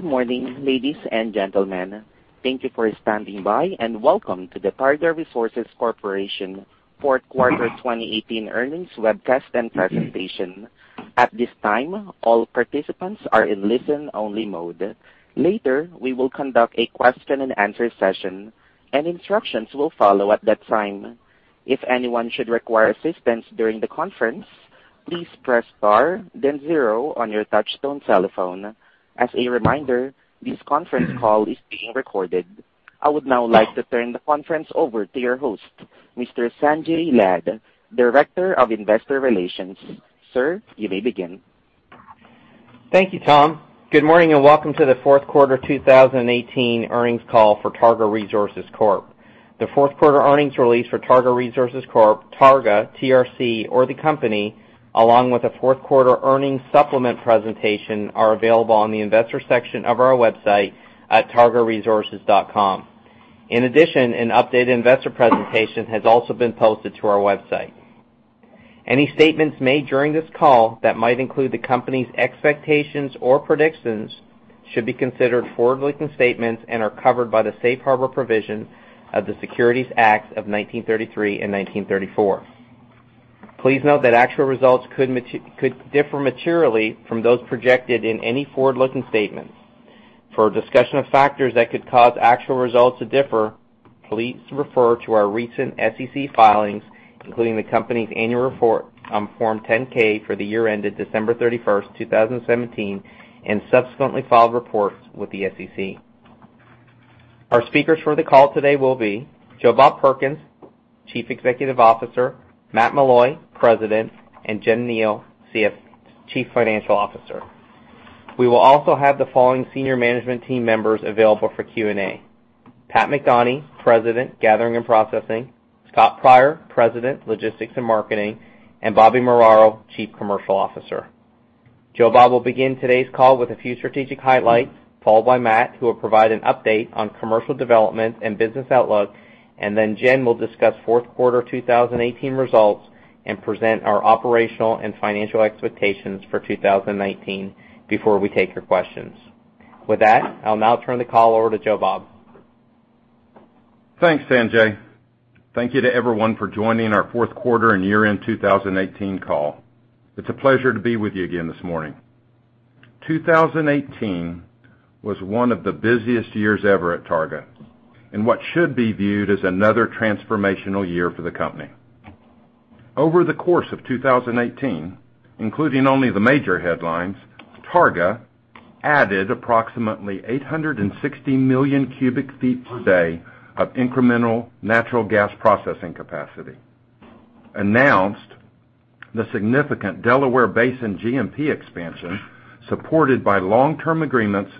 Good morning, ladies and gentlemen. Thank you for standing by, and welcome to the Targa Resources Corp. fourth quarter 2018 earnings webcast and presentation. At this time, all participants are in listen-only mode. Later, we will conduct a question and answer session, and instructions will follow at that time. If anyone should require assistance during the conference, please press star then zero on your touchtone telephone. As a reminder, this conference call is being recorded. I would now like to turn the conference over to your host, Mr. Sanjay Lad, Director of Investor Relations. Sir, you may begin. Thank you, Tom. Good morning, and welcome to the fourth quarter 2018 earnings call for Targa Resources Corp. The fourth quarter earnings release for Targa Resources Corp., Targa, TRC, or the company, along with a fourth quarter earnings supplement presentation, are available on the investor section of our website at targaresources.com. In addition, an updated investor presentation has also been posted to our website. Any statements made during this call that might include the company's expectations or predictions should be considered forward-looking statements and are covered by the safe harbor provisions of the Securities Acts of 1933 and 1934. Please note that actual results could differ materially from those projected in any forward-looking statements. For a discussion of factors that could cause actual results to differ, please refer to our recent SEC filings, including the company's annual report on Form 10-K for the year ended December 31st, 2017, and subsequently filed reports with the SEC. Our speakers for the call today will be Joe Bob Perkins, Chief Executive Officer, Matt Meloy, President, and Jen Kneale, Chief Financial Officer. We will also have the following senior management team members available for Q&A: Pat McDonie, President, Gathering and Processing, Scott Pryor, President, Logistics and Marketing, and Bobby Muraro, Chief Commercial Officer. Joe Bob will begin today's call with a few strategic highlights, followed by Matt, who will provide an update on commercial development and business outlook, and then Jen will discuss fourth quarter 2018 results and present our operational and financial expectations for 2019 before we take your questions. With that, I'll now turn the call over to Joe Bob. Thanks, Sanjay. Thank you to everyone for joining our fourth quarter and year-end 2018 call. It's a pleasure to be with you again this morning. 2018 was one of the busiest years ever at Targa, in what should be viewed as another transformational year for the company. Over the course of 2018, including only the major headlines, Targa added approximately 860 million cubic feet per day of incremental natural gas processing capacity; announced the significant Delaware Basin GMP expansion, supported by long-term agreements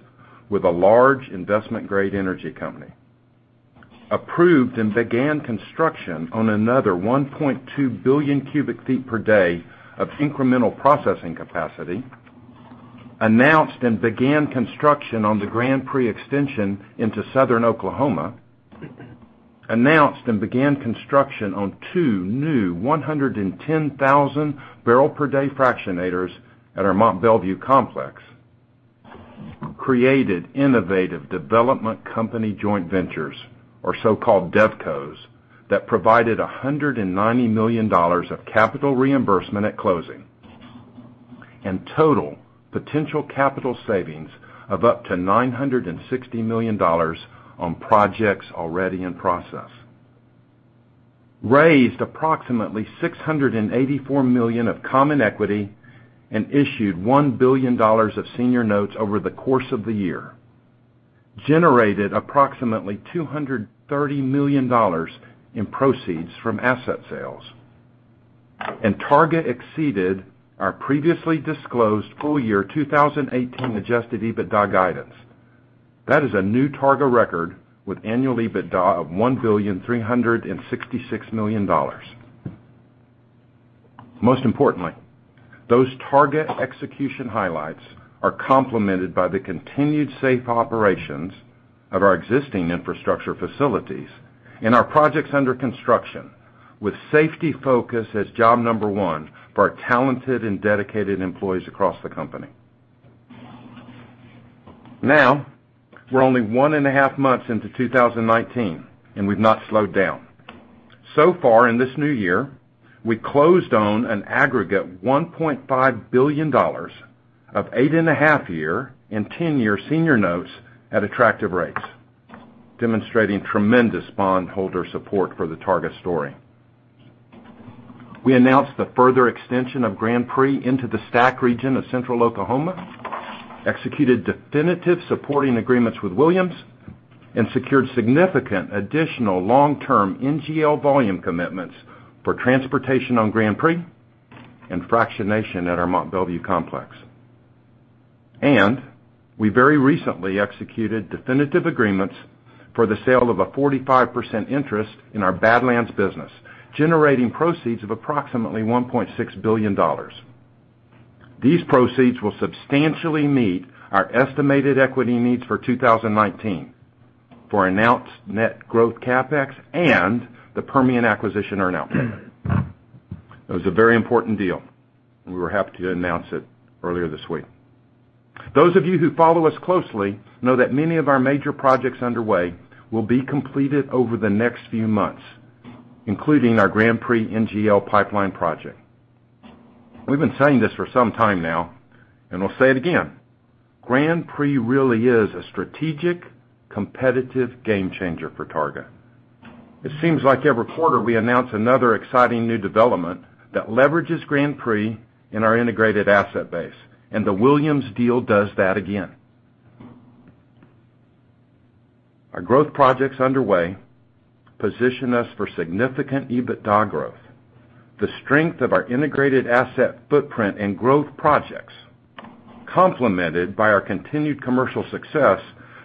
with a large investment-grade energy company; approved and began construction on another 1.2 billion cubic feet per day of incremental processing capacity; announced and began construction on the Grand Prix extension into Southern Oklahoma; announced and began construction on two new 110,000-barrel-per-day fractionators at our Mont Belvieu complex; created innovative development company joint ventures, or so-called devcos, that provided $190 million of capital reimbursement at closing and total potential capital savings of up to $960 million on projects already in process; raised approximately $684 million of common equity and issued $1 billion of senior notes over the course of the year; generated approximately $230 million in proceeds from asset sales; Targa exceeded our previously disclosed full year 2018 adjusted EBITDA guidance. That is a new Targa record, with annual EBITDA of $1,366,000,000. Most importantly, those Targa execution highlights are complemented by the continued safe operations of our existing infrastructure facilities and our projects under construction, with safety focus as job number one for our talented and dedicated employees across the company. We're only one and a half months into 2019, and we've not slowed down. So far in this new year, we closed on an aggregate $1.5 billion of eight-and-a-half-year and 10-year senior notes at attractive rates, demonstrating tremendous bondholder support for the Targa story. We announced the further extension of Grand Prix into the STACK region of Central Oklahoma, executed definitive supporting agreements with Williams, and secured significant additional long-term NGL volume commitments for transportation on Grand Prix and fractionation at our Mont Belvieu complex. We very recently executed definitive agreements for the sale of a 45% interest in our Badlands business, generating proceeds of approximately $1.6 billion. These proceeds will substantially meet our estimated equity needs for 2019 for announced net growth CapEx and the Permian acquisition earnout. It was a very important deal, and we were happy to announce it earlier this week. Those of you who follow us closely know that many of our major projects underway will be completed over the next few months, including our Grand Prix NGL Pipeline project. We've been saying this for some time now, and we'll say it again. Grand Prix really is a strategic, competitive game changer for Targa. It seems like every quarter we announce another exciting new development that leverages Grand Prix and our integrated asset base, and the Williams deal does that again. Our growth projects underway position us for significant EBITDA growth. The strength of our integrated asset footprint and growth projects, complemented by our continued commercial success,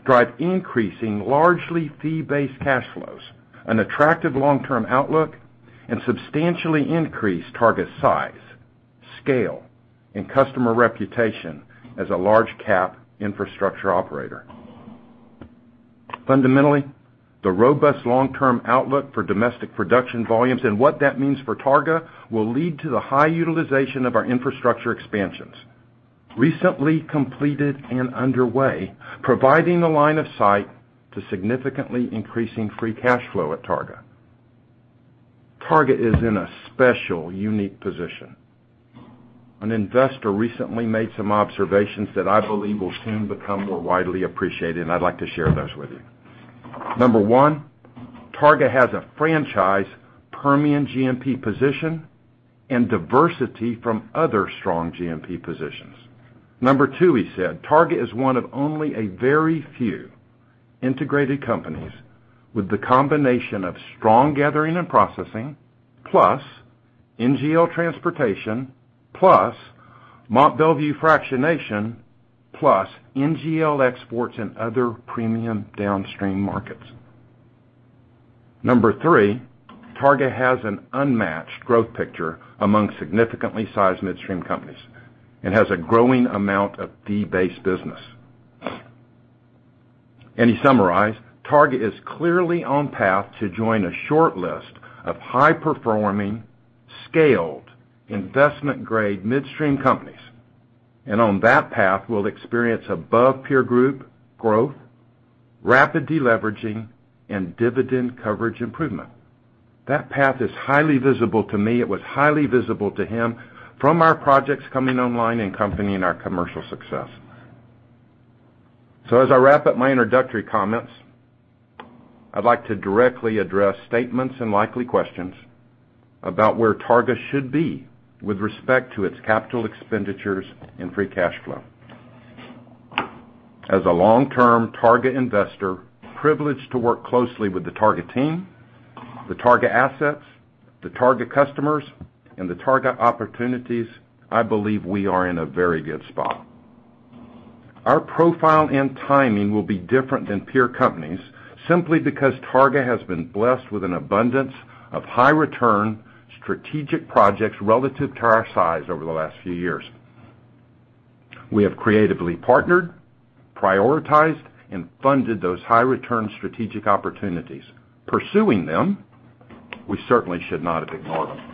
drive increasing largely fee-based cash flows, an attractive long-term outlook, and substantially increased Targa size, scale, and customer reputation as a large cap infrastructure operator. Fundamentally, the robust long-term outlook for domestic production volumes and what that means for Targa will lead to the high utilization of our infrastructure expansions, recently completed and underway, providing a line of sight to significantly increasing free cash flow at Targa. Targa is in a special, unique position. An investor recently made some observations that I believe will soon become more widely appreciated, and I'd like to share those with you. Number one, Targa has a franchise Permian GMP position and diversity from other strong GMP positions. Number two, he said, Targa is one of only a very few integrated companies with the combination of strong gathering and processing, plus NGL transportation, plus Mont Belvieu fractionation, plus NGL exports and other premium downstream markets. Number three, Targa has an unmatched growth picture among significantly sized midstream companies and has a growing amount of fee-based business. He summarized, Targa is clearly on path to join a short list of high-performing, scaled, investment-grade midstream companies, and on that path will experience above peer group growth, rapid deleveraging, and dividend coverage improvement. That path is highly visible to me. It was highly visible to him from our projects coming online and company in our commercial success. As I wrap up my introductory comments, I'd like to directly address statements and likely questions about where Targa should be with respect to its capital expenditures and free cash flow. As a long-term Targa investor privileged to work closely with the Targa team, the Targa assets, the Targa customers, and the Targa opportunities, I believe we are in a very good spot. Our profile and timing will be different than peer companies simply because Targa has been blessed with an abundance of high return, strategic projects relative to our size over the last few years. We have creatively partnered, prioritized, and funded those high return strategic opportunities, pursuing them, we certainly should not have ignored them.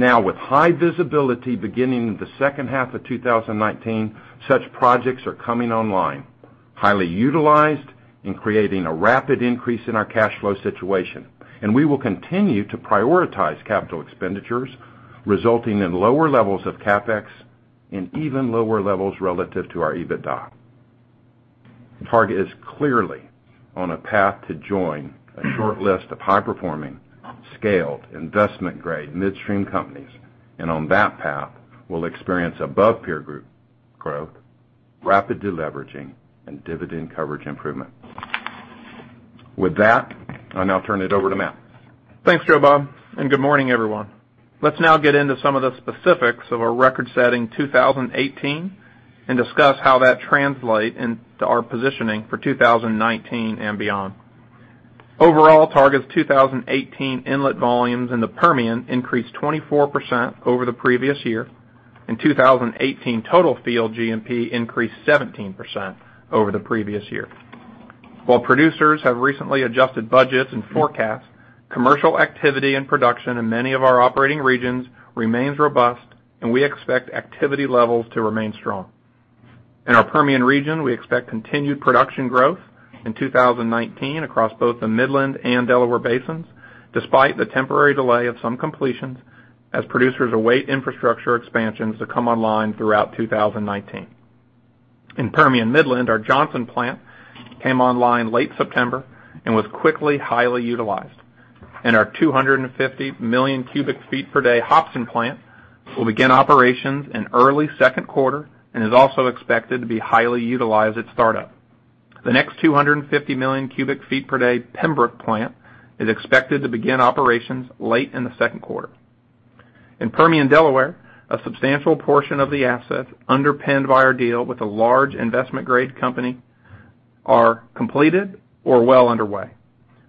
Now with high visibility beginning in the second half of 2019, such projects are coming online, highly utilized and creating a rapid increase in our cash flow situation. We will continue to prioritize capital expenditures, resulting in lower levels of CapEx and even lower levels relative to our EBITDA. Targa is clearly on a path to join a short list of high-performing, scaled, investment-grade midstream companies, and on that path will experience above peer group growth, rapid deleveraging, and dividend coverage improvement. With that, I'll now turn it over to Matt. Thanks, Joe Bob, and good morning, everyone. Let's now get into some of the specifics of our record-setting 2018 and discuss how that translates into our positioning for 2019 and beyond. Overall, Targa's 2018 inlet volumes in the Permian increased 24% over the previous year, and 2018 total field GMP increased 17% over the previous year. While producers have recently adjusted budgets and forecasts, commercial activity and production in many of our operating regions remains robust, and we expect activity levels to remain strong. In our Permian region, we expect continued production growth in 2019 across both the Midland and Delaware basins, despite the temporary delay of some completions as producers await infrastructure expansions to come online throughout 2019. In Permian Midland, our Johnson plant came online late September and was quickly highly utilized. Our 250 million cubic feet per day Hopson plant will begin operations in early second quarter and is also expected to be highly utilized at startup. The next 250 million cubic feet per day Pembrook plant is expected to begin operations late in the second quarter. In Permian Delaware, a substantial portion of the assets underpinned by our deal with a large investment-grade company are completed or well underway.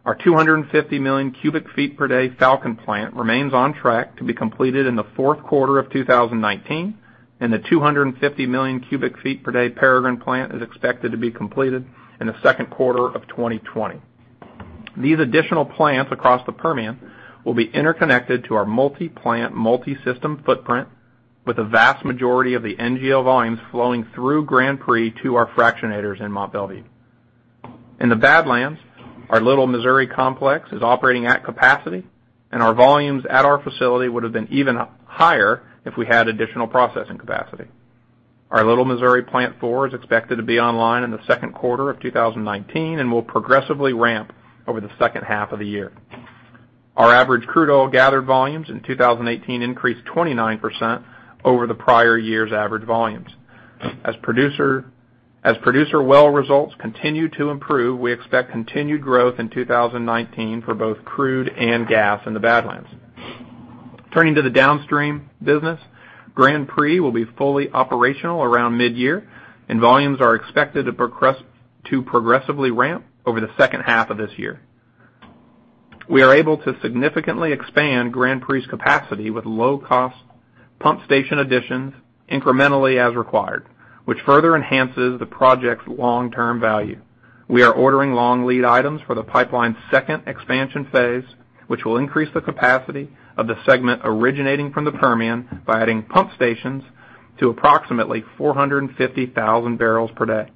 Our 250 million cubic feet per day Falcon plant remains on track to be completed in the fourth quarter of 2019, and the 250 million cubic feet per day Peregrine plant is expected to be completed in the second quarter of 2020. These additional plants across the Permian will be interconnected to our multi-plant, multi-system footprint with a vast majority of the NGL volumes flowing through Grand Prix to our fractionators in Mont Belvieu. In the Badlands, our Little Missouri complex is operating at capacity, and our volumes at our facility would have been even higher if we had additional processing capacity. Our Little Missouri Plant 4 is expected to be online in the second quarter of 2019 and will progressively ramp over the second half of the year. Our average crude oil gathered volumes in 2018 increased 29% over the prior year's average volumes. As producer well results continue to improve, we expect continued growth in 2019 for both crude and gas in the Badlands. Turning to the downstream business, Grand Prix will be fully operational around mid-year, and volumes are expected to progressively ramp over the second half of this year. We are able to significantly expand Grand Prix's capacity with low-cost pump station additions incrementally as required, which further enhances the project's long-term value. We are ordering long lead items for the pipeline's second expansion phase, which will increase the capacity of the segment originating from the Permian by adding pump stations to approximately 450,000 barrels per day.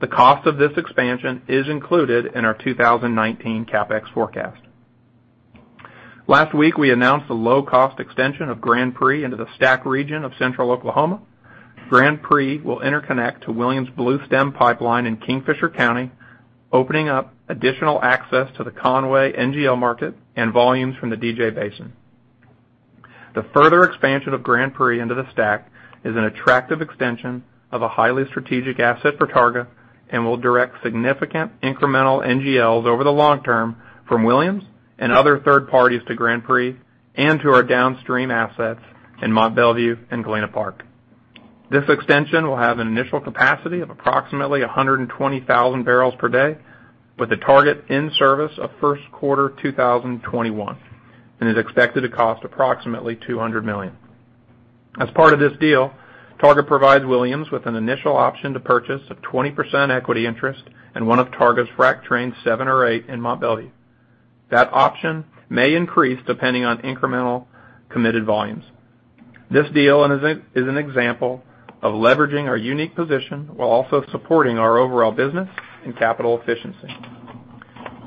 The cost of this expansion is included in our 2019 CapEx forecast. Last week, we announced the low-cost extension of Grand Prix into the STACK region of central Oklahoma. Grand Prix will interconnect to Williams' Bluestem Pipeline in Kingfisher County, opening up additional access to the Conway NGL market and volumes from the DJ Basin. The further expansion of Grand Prix into the STACK is an attractive extension of a highly strategic asset for Targa and will direct significant incremental NGLs over the long term from Williams and other third parties to Grand Prix and to our downstream assets in Mont Belvieu and Galena Park. This extension will have an initial capacity of approximately 120,000 barrels per day with a target in service of first quarter 2021 and is expected to cost approximately $200 million. As part of this deal, Targa provides Williams with an initial option to purchase a 20% equity interest in one of Targa's Frac Train 7 or 8 in Mont Belvieu. That option may increase depending on incremental committed volumes. This deal is an example of leveraging our unique position while also supporting our overall business and capital efficiency.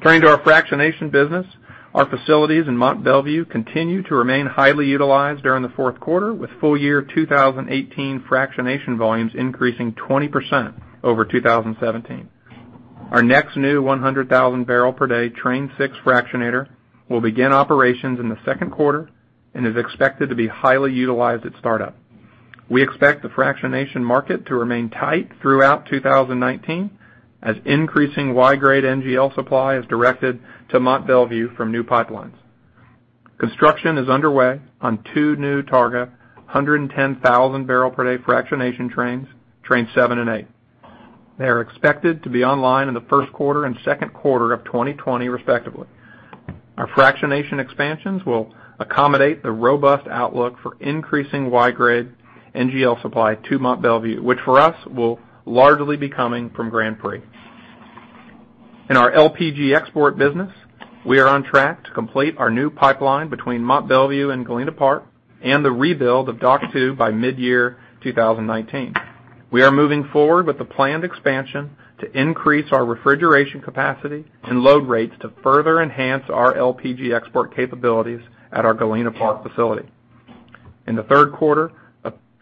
Turning to our fractionation business, our facilities in Mont Belvieu continue to remain highly utilized during the fourth quarter with full year 2018 fractionation volumes increasing 20% over 2017. Our next new 100,000-barrel-per-day Train 6 fractionator will begin operations in the second quarter and is expected to be highly utilized at startup. We expect the fractionation market to remain tight throughout 2019 as increasing Y-grade NGL supply is directed to Mont Belvieu from new pipelines. Construction is underway on two new Targa 110,000-barrel-per-day fractionation trains, Train 7 and 8. They're expected to be online in the first quarter and second quarter of 2020, respectively. Our fractionation expansions will accommodate the robust outlook for increasing Y-grade NGL supply to Mont Belvieu, which for us, will largely be coming from Grand Prix. In our LPG export business, we are on track to complete our new pipeline between Mont Belvieu and Galena Park and the rebuild of Dock 2 by mid-year 2019. We are moving forward with the planned expansion to increase our refrigeration capacity and load rates to further enhance our LPG export capabilities at our Galena Park facility. In the third quarter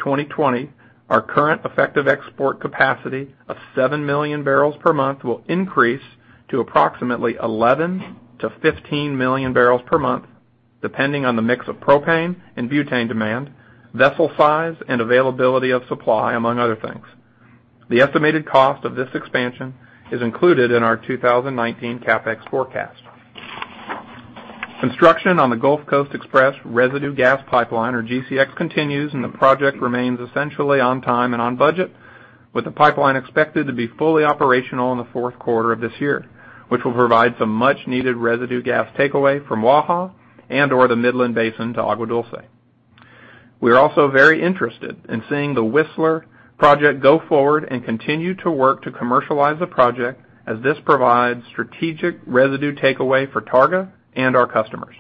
of 2020, our current effective export capacity of seven million barrels per month will increase to approximately 11 to 15 million barrels per month, depending on the mix of propane and butane demand, vessel size, and availability of supply, among other things. The estimated cost of this expansion is included in our 2019 CapEx forecast. Construction on the Gulf Coast Express residue gas pipeline, or GCX, continues, and the project remains essentially on time and on budget with the pipeline expected to be fully operational in the fourth quarter of this year, which will provide some much needed residue gas takeaway from Waha and or the Midland Basin to Agua Dulce. We are also very interested in seeing the Whistler project go forward and continue to work to commercialize the project as this provides strategic residue takeaway for Targa and our customers.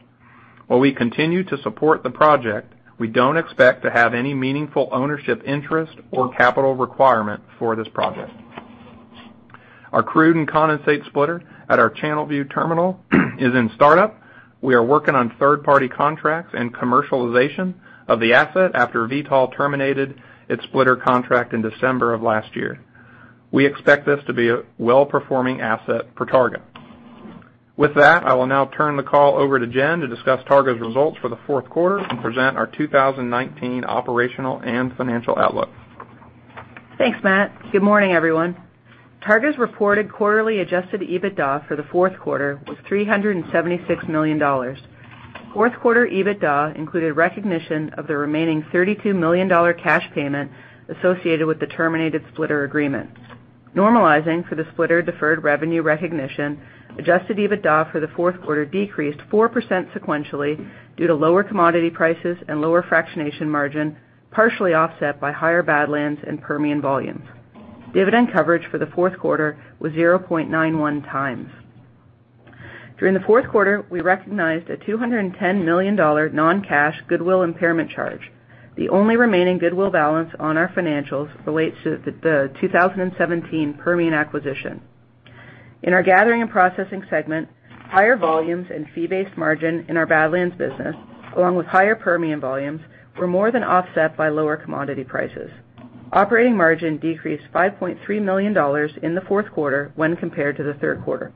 While we continue to support the project, we don't expect to have any meaningful ownership interest or capital requirement for this project. Our crude and condensate splitter at our Channelview terminal is in startup. We are working on third-party contracts and commercialization of the asset after Vitol terminated its splitter contract in December of last year. We expect this to be a well-performing asset for Targa. With that, I will now turn the call over to Jen to discuss Targa's results for the fourth quarter and present our 2019 operational and financial outlook. Thanks, Matt. Good morning, everyone. Targa's reported quarterly adjusted EBITDA for the fourth quarter was $376 million. Fourth quarter EBITDA included recognition of the remaining $32 million cash payment associated with the terminated splitter agreement. Normalizing for the splitter deferred revenue recognition, adjusted EBITDA for the fourth quarter decreased 4% sequentially due to lower commodity prices and lower fractionation margin, partially offset by higher Badlands and Permian volumes. Dividend coverage for the fourth quarter was 0.91 times. During the fourth quarter, we recognized a $210 million non-cash goodwill impairment charge. The only remaining goodwill balance on our financials relates to the 2017 Permian acquisition. In our Gathering and Processing Segment, higher volumes and fee-based margin in our Badlands business, along with higher Permian volumes, were more than offset by lower commodity prices. Operating margin decreased $5.3 million in the fourth quarter when compared to the third quarter.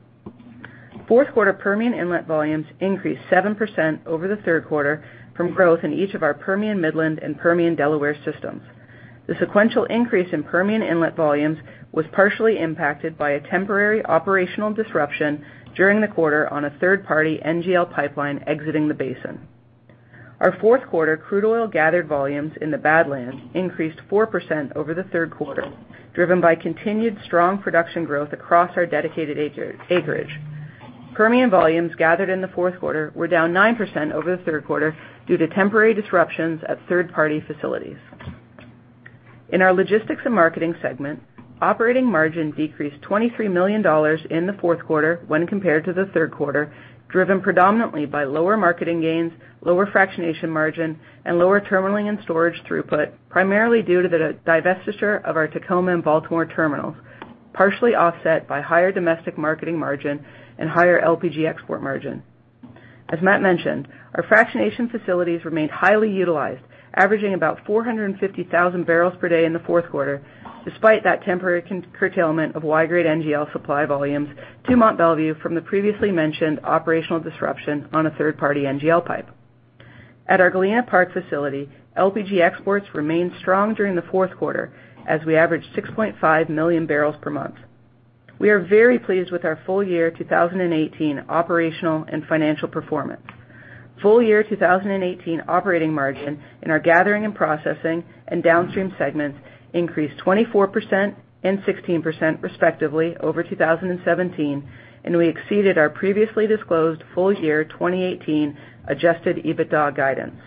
Fourth quarter Permian inlet volumes increased 7% over the third quarter from growth in each of our Permian Midland and Permian Delaware systems. The sequential increase in Permian inlet volumes was partially impacted by a temporary operational disruption during the quarter on a third-party NGL pipeline exiting the basin. Our fourth quarter crude oil gathered volumes in the Badlands increased 4% over the third quarter, driven by continued strong production growth across our dedicated acreage. Permian volumes gathered in the fourth quarter were down 9% over the third quarter due to temporary disruptions at third-party facilities. In our Logistics and Marketing Segment, operating margin decreased $23 million in the fourth quarter when compared to the third quarter, driven predominantly by lower marketing gains, lower fractionation margin, and lower terminaling and storage throughput, primarily due to the divestiture of our Tacoma and Baltimore terminals, partially offset by higher domestic marketing margin and higher LPG export margin. As Matt mentioned, our fractionation facilities remain highly utilized, averaging about 450,000 barrels per day in the fourth quarter, despite that temporary curtailment of Y-grade NGL supply volumes to Mont Belvieu from the previously mentioned operational disruption on a third-party NGL pipe. At our Galena Park facility, LPG exports remained strong during the fourth quarter as we averaged 6.5 million barrels per month. We are very pleased with our full year 2018 operational and financial performance. Full year 2018 operating margin in our Gathering and Processing and Downstream Segments increased 24% and 16% respectively over 2017, and we exceeded our previously disclosed full year 2018 adjusted EBITDA guidance.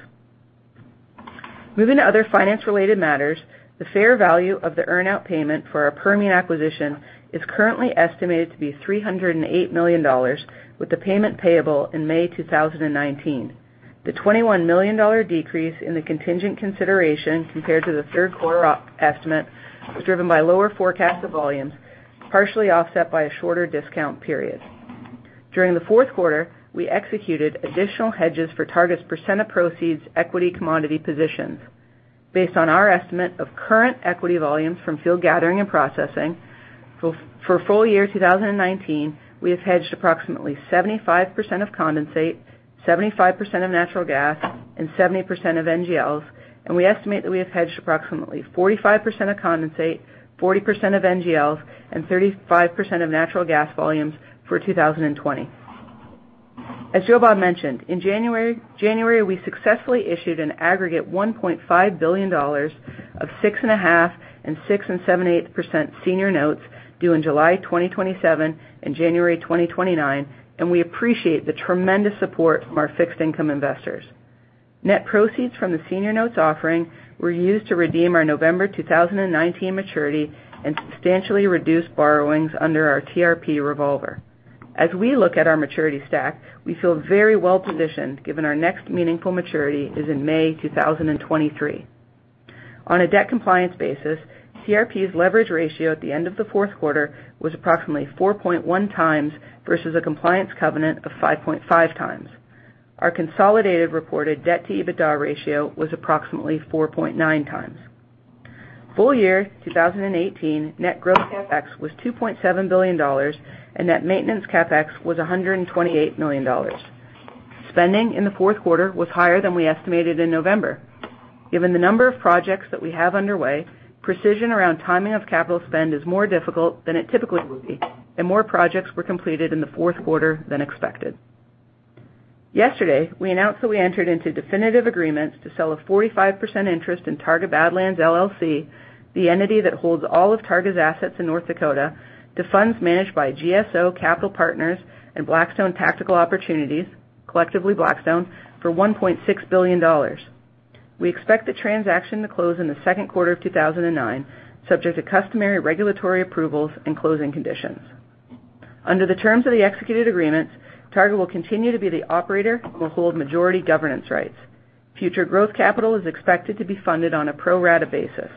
Moving to other finance-related matters, the fair value of the earn-out payment for our Permian acquisition is currently estimated to be $308 million, with the payment payable in May 2019. The $21 million decrease in the contingent consideration compared to the third quarter estimate was driven by lower forecasts of volumes, partially offset by a shorter discount period. During the fourth quarter, we executed additional hedges for Targa's percent of proceeds equity commodity positions. Based on our estimate of current equity volumes from field gathering and processing, for full year 2019, we have hedged approximately 75% of condensate, 75% of natural gas, and 70% of NGLs. We estimate that we have hedged approximately 45% of condensate, 40% of NGLs, and 35% of natural gas volumes for 2020. As Joe Bob mentioned, in January, we successfully issued an aggregate $1.5 billion of 6.5% and 6.875% senior notes due in July 2027 and January 2029. We appreciate the tremendous support from our fixed income investors. Net proceeds from the senior notes offering were used to redeem our November 2019 maturity and substantially reduce borrowings under our TRP revolver. We look at our maturity stack, we feel very well-positioned given our next meaningful maturity is in May 2023. On a debt compliance basis, TRP's leverage ratio at the end of the fourth quarter was approximately 4.1 times versus a compliance covenant of 5.5 times. Our consolidated reported debt to EBITDA ratio was approximately 4.9 times. Full year 2018 net growth CapEx was $2.7 billion, and net maintenance CapEx was $128 million. The number of projects that we have underway, precision around timing of capital spend is more difficult than it typically would be, and more projects were completed in the fourth quarter than expected. Yesterday, we announced that we entered into definitive agreements to sell a 45% interest in Targa Badlands LLC, the entity that holds all of Targa's assets in North Dakota, to funds managed by GSO Capital Partners and Blackstone Tactical Opportunities, collectively Blackstone, for $1.6 billion. We expect the transaction to close in the second quarter of 2019, subject to customary regulatory approvals and closing conditions. Under the terms of the executed agreements, Targa will continue to be the operator and will hold majority governance rights. Future growth capital is expected to be funded on a pro-rata basis.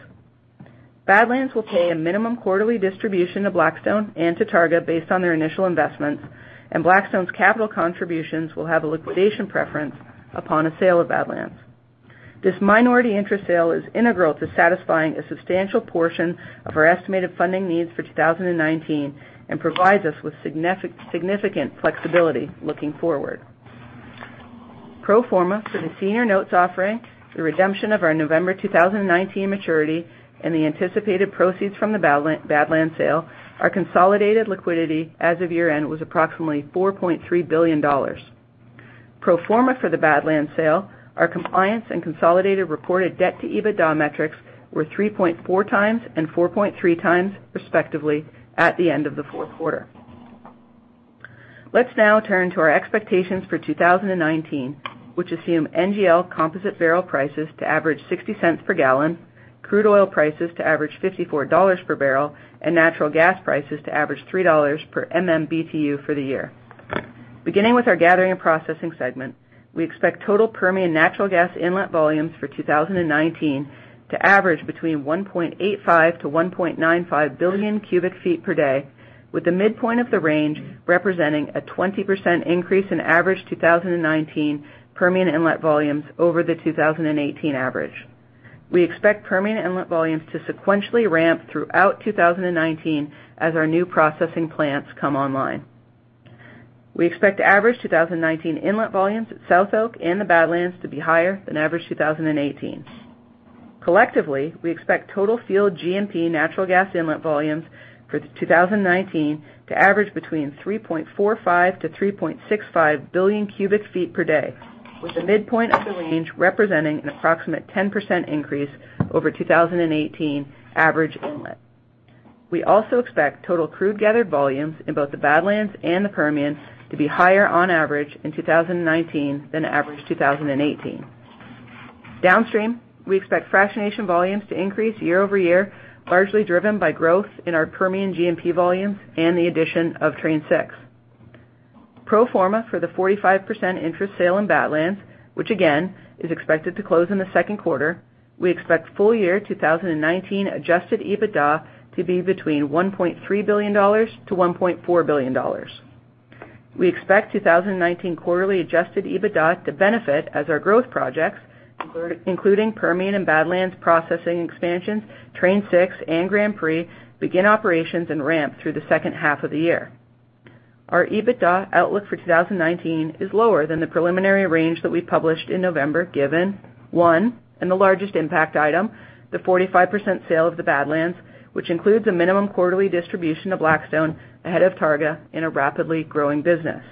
Badlands will pay a minimum quarterly distribution to Blackstone and to Targa based on their initial investments, and Blackstone's capital contributions will have a liquidation preference upon a sale of Badlands. This minority interest sale is integral to satisfying a substantial portion of our estimated funding needs for 2019 and provides us with significant flexibility looking forward. Pro forma for the senior notes offering, the redemption of our November 2019 maturity, and the anticipated proceeds from the Badlands sale, our consolidated liquidity as of year-end was approximately $4.3 billion. Pro forma for the Badlands sale, our compliance and consolidated reported debt to EBITDA metrics were 3.4 times and 4.3 times respectively at the end of the fourth quarter. Let's now turn to our expectations for 2019, which assume NGL composite barrel prices to average $0.60 per gallon, crude oil prices to average $54 per barrel, and natural gas prices to average $3 per MMBtu for the year. Beginning with our gathering and processing segment, we expect total Permian natural gas inlet volumes for 2019 to average between 1.85 billion-1.95 billion cubic feet per day, with the midpoint of the range representing a 20% increase in average 2019 Permian inlet volumes over the 2018 average. We expect Permian inlet volumes to sequentially ramp throughout 2019 as our new processing plants come online. We expect average 2019 inlet volumes at South OK and the Badlands to be higher than average 2018. Collectively, we expect total field GMP natural gas inlet volumes for 2019 to average between 3.45 to 3.65 billion cubic feet per day, with the midpoint of the range representing an approximate 10% increase over 2018 average inlet. We also expect total crude gathered volumes in both the Badlands and the Permian to be higher on average in 2019 than average 2018. Downstream, we expect fractionation volumes to increase year-over-year, largely driven by growth in our Permian GMP volumes and the addition of Train 6. Pro forma for the 45% interest sale in Badlands, which again, is expected to close in the second quarter, we expect full year 2019 adjusted EBITDA to be between $1.3 billion-$1.4 billion. We expect 2019 quarterly adjusted EBITDA to benefit as our growth projects, including Permian and Badlands processing expansions, Train 6 and Grand Prix, begin operations and ramp through the second half of the year. Our EBITDA outlook for 2019 is lower than the preliminary range that we published in November, given, one, and the largest impact item, the 45% sale of the Badlands, which includes a minimum quarterly distribution to Blackstone ahead of Targa in a rapidly growing business.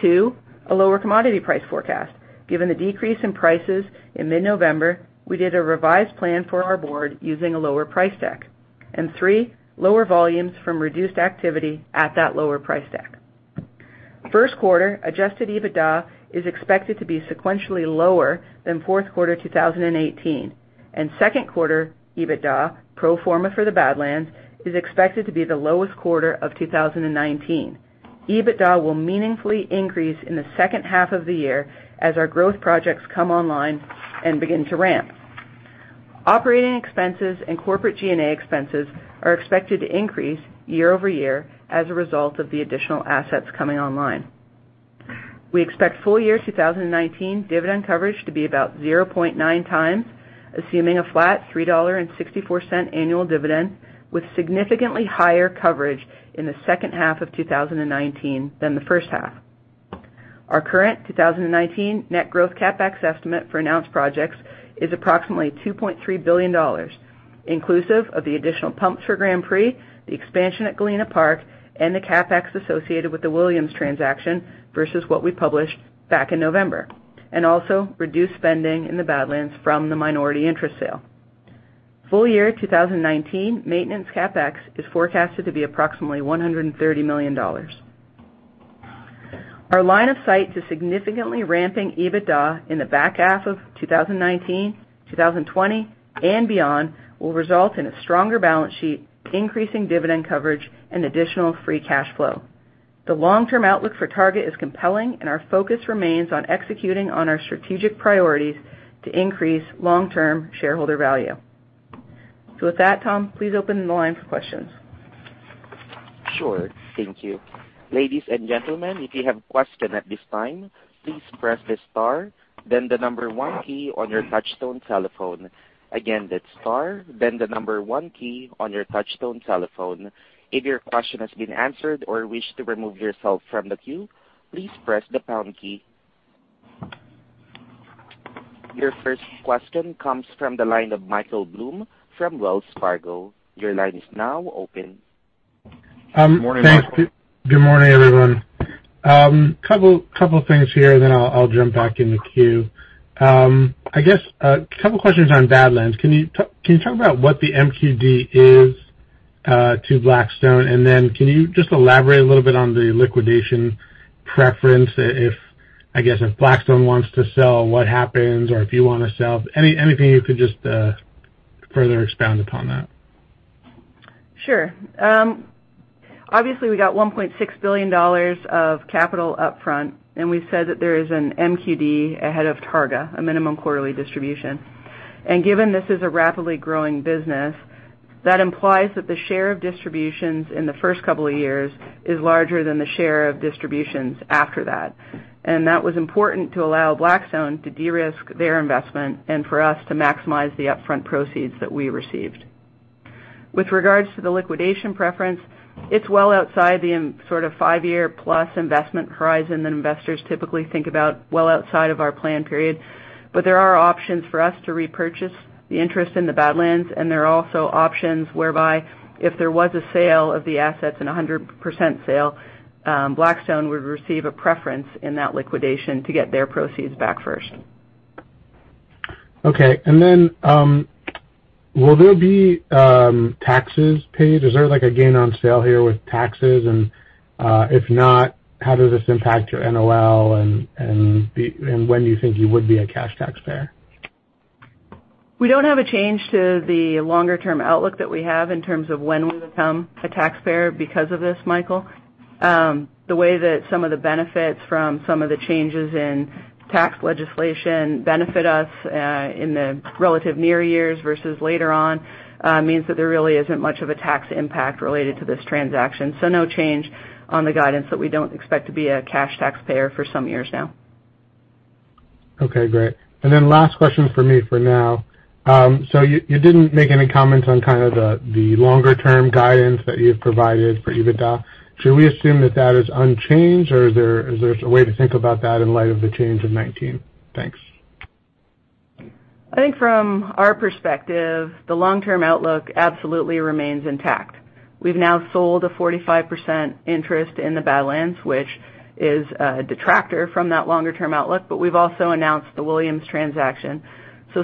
Two, a lower commodity price forecast. Given the decrease in prices in mid-November, we did a revised plan for our board using a lower price deck. Three, lower volumes from reduced activity at that lower price deck. First quarter adjusted EBITDA is expected to be sequentially lower than fourth quarter 2018, and second quarter EBITDA, pro forma for the Badlands, is expected to be the lowest quarter of 2019. EBITDA will meaningfully increase in the second half of the year as our growth projects come online and begin to ramp. Operating expenses and corporate G&A expenses are expected to increase year-over-year as a result of the additional assets coming online. We expect full year 2019 dividend coverage to be about 0.9 times, assuming a flat $3.64 annual dividend, with significantly higher coverage in the second half of 2019 than the first half. Our current 2019 net growth CapEx estimate for announced projects is approximately $2.3 billion, inclusive of the additional pumps for Grand Prix, the expansion at Galena Park, and the CapEx associated with the Williams transaction versus what we published back in November, and also reduced spending in the Badlands from the minority interest sale. Full year 2019 maintenance CapEx is forecasted to be approximately $130 million. Our line of sight to significantly ramping EBITDA in the back half of 2019, 2020 and beyond will result in a stronger balance sheet, increasing dividend coverage and additional free cash flow. Our focus remains on executing on our strategic priorities to increase long-term shareholder value. With that, Tom, please open the line for questions. Sure. Thank you. Ladies and gentlemen, if you have a question at this time, please press the star then the number 1 key on your touchtone telephone. Again, that's star then the number 1 key on your touchtone telephone. If your question has been answered or wish to remove yourself from the queue, please press the pound key. Your first question comes from the line of Michael Blum from Wells Fargo. Your line is now open. Good morning, Michael. Good morning, everyone. Couple things here, then I'll jump back in the queue. I guess, couple of questions on Badlands. Can you talk about what the MQD is to Blackstone? Then can you just elaborate a little bit on the liquidation preference if Blackstone wants to sell, what happens? Or if you want to sell. Anything you could just further expound upon that? Sure. Obviously, we got $1.6 billion of capital up front, and we said that there is an MQD ahead of Targa, a minimum quarterly distribution. Given this is a rapidly growing business, that implies that the share of distributions in the first couple of years is larger than the share of distributions after that. That was important to allow Blackstone to de-risk their investment and for us to maximize the upfront proceeds that we received. With regards to the liquidation preference, it's well outside the five-year-plus investment horizon that investors typically think about well outside of our plan period. There are options for us to repurchase the interest in the Badlands, and there are also options whereby if there was a sale of the assets and 100% sale, Blackstone would receive a preference in that liquidation to get their proceeds back first. Okay. Then, will there be taxes paid? Is there a gain on sale here with taxes? If not, how does this impact your NOL, and when do you think you would be a cash taxpayer? We don't have a change to the longer-term outlook that we have in terms of when we become a taxpayer because of this, Michael. The way that some of the benefits from some of the changes in tax legislation benefit us, in the relative near years versus later on, means that there really isn't much of a tax impact related to this transaction. No change on the guidance that we don't expect to be a cash taxpayer for some years now. Okay, great. Then last question from me for now. You didn't make any comments on the longer-term guidance that you've provided for EBITDA. Should we assume that that is unchanged, or is there a way to think about that in light of the change of 2019? Thanks. I think from our perspective, the long-term outlook absolutely remains intact. We've now sold a 45% interest in the Badlands, which is a detractor from that longer-term outlook. We've also announced the Williams transaction.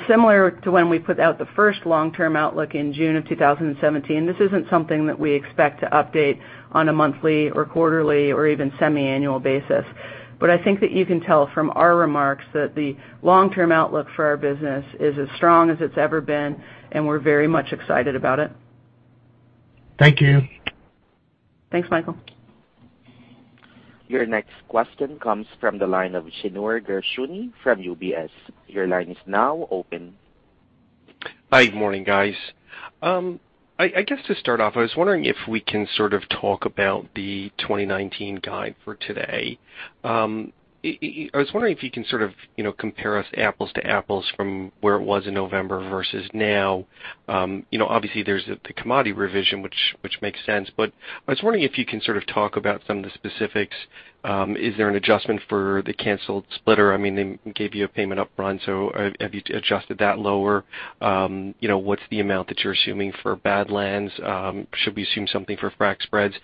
Similar to when we put out the first long-term outlook in June of 2017, this isn't something that we expect to update on a monthly or quarterly or even semi-annual basis. I think that you can tell from our remarks that the long-term outlook for our business is as strong as it's ever been, and we're very much excited about it. Thank you. Thanks, Michael. Your next question comes from the line of Shneur Gershuni from UBS. Your line is now open. Hi, good morning, guys. I guess to start off, I was wondering if we can sort of talk about the 2019 guide for today. I was wondering if you can sort of compare us apples to apples from where it was in November versus now. Obviously, there's the commodity revision, which makes sense, but I was wondering if you can sort of talk about some of the specifics. Is there an adjustment for the canceled splitter? They gave you a payment upfront, so have you adjusted that lower? What's the amount that you're assuming for Badlands? Should we assume something for frac spreads?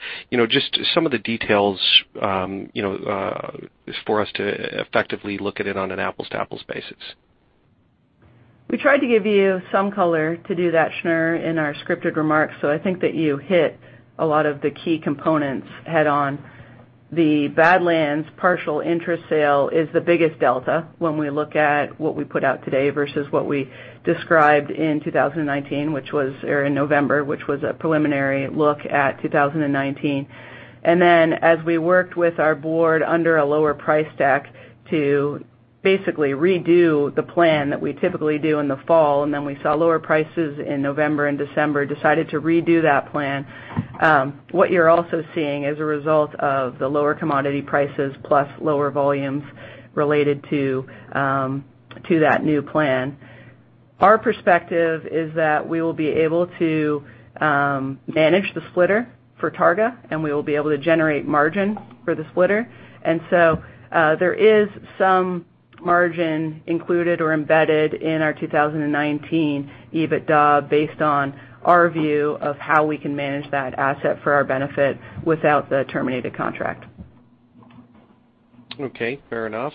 Just some of the details for us to effectively look at it on an apples-to-apples basis. We tried to give you some color to do that, Shneur, in our scripted remarks. I think that you hit a lot of the key components head-on. The Badlands partial interest sale is the biggest delta when we look at what we put out today versus what we described in 2019, or in November, which was a preliminary look at 2019. As we worked with our board under a lower price deck to basically redo the plan that we typically do in the fall, we saw lower prices in November and December, decided to redo that plan. What you're also seeing is a result of the lower commodity prices plus lower volumes related to that new plan. Our perspective is that we will be able to manage the splitter for Targa. We will be able to generate margin for the splitter. There is some margin included or embedded in our 2019 EBITDA based on our view of how we can manage that asset for our benefit without the terminated contract. Okay, fair enough.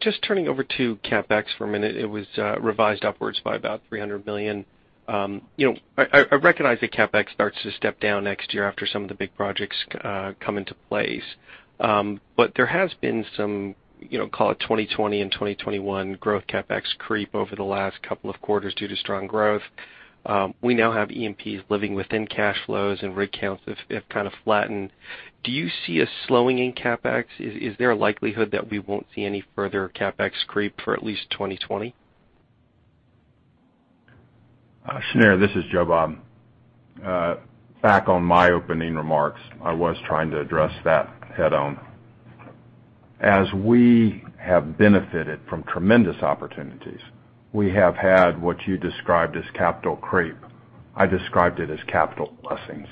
Just turning over to CapEx for a minute. It was revised upwards by about $300 million. I recognize that CapEx starts to step down next year after some of the big projects come into place. There has been some, call it 2020 and 2021 growth CapEx creep over the last couple of quarters due to strong growth. We now have E&Ps living within cash flows and rig counts have kind of flattened. Do you see a slowing in CapEx? Is there a likelihood that we won't see any further CapEx creep for at least 2020? Shneur, this is Joe Bob. Back on my opening remarks, I was trying to address that head-on. As we have benefited from tremendous opportunities, we have had what you described as capital creep. I described it as capital blessings.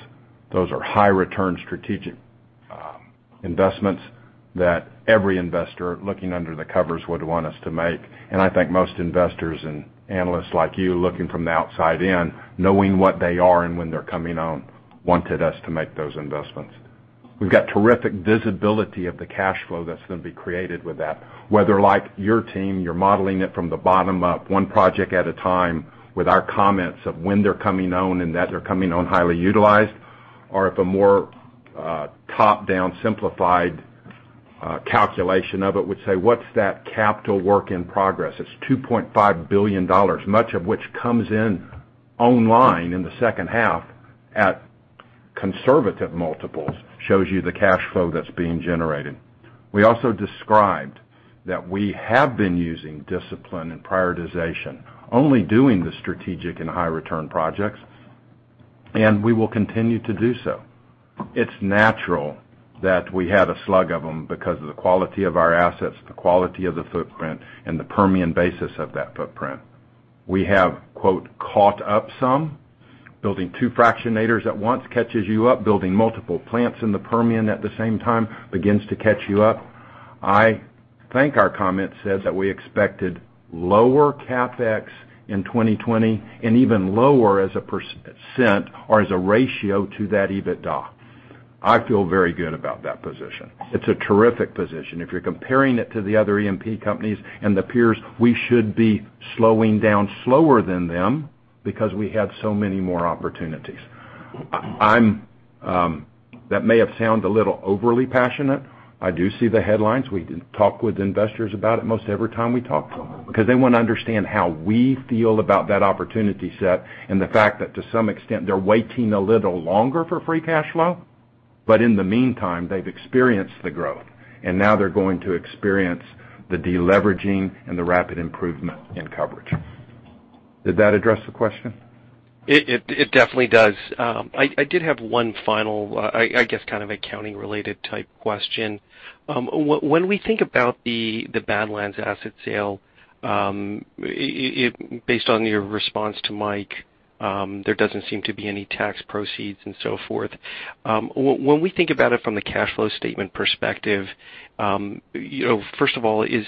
Those are high-return strategic investments that every investor looking under the covers would want us to make. I think most investors and analysts like you looking from the outside in, knowing what they are and when they're coming on, wanted us to make those investments. We've got terrific visibility of the cash flow that's going to be created with that. Whether like your team, you're modeling it from the bottom up, one project at a time with our comments of when they're coming on and that they're coming on highly utilized, or if a more top-down simplified calculation of it would say, what's that capital work in progress? It's $2.5 billion, much of which comes in online in the second half at conservative multiples, shows you the cash flow that's being generated. We also described that we have been using discipline and prioritization, only doing the strategic and high-return projects, and we will continue to do so. It's natural that we had a slug of them because of the quality of our assets, the quality of the footprint, and the Permian basis of that footprint. We have, quote, "caught up some." Building 2 fractionators at once catches you up. Building multiple plants in the Permian at the same time begins to catch you up. I think our comment says that we expected lower CapEx in 2020 and even lower as a percent or as a ratio to that EBITDA. I feel very good about that position. It's a terrific position. If you're comparing it to the other E&P companies and the peers, we should be slowing down slower than them because we have so many more opportunities. That may have sounded a little overly passionate. I do see the headlines. We talk with investors about it most every time we talk because they want to understand how we feel about that opportunity set and the fact that to some extent, they're waiting a little longer for free cash flow. In the meantime, they've experienced the growth, and now they're going to experience the de-leveraging and the rapid improvement in coverage. Did that address the question? It definitely does. I did have one final accounting related type question. When we think about the Badlands asset sale, based on your response to Mike, there doesn't seem to be any tax proceeds and so forth. When we think about it from the cash flow statement perspective, first of all, is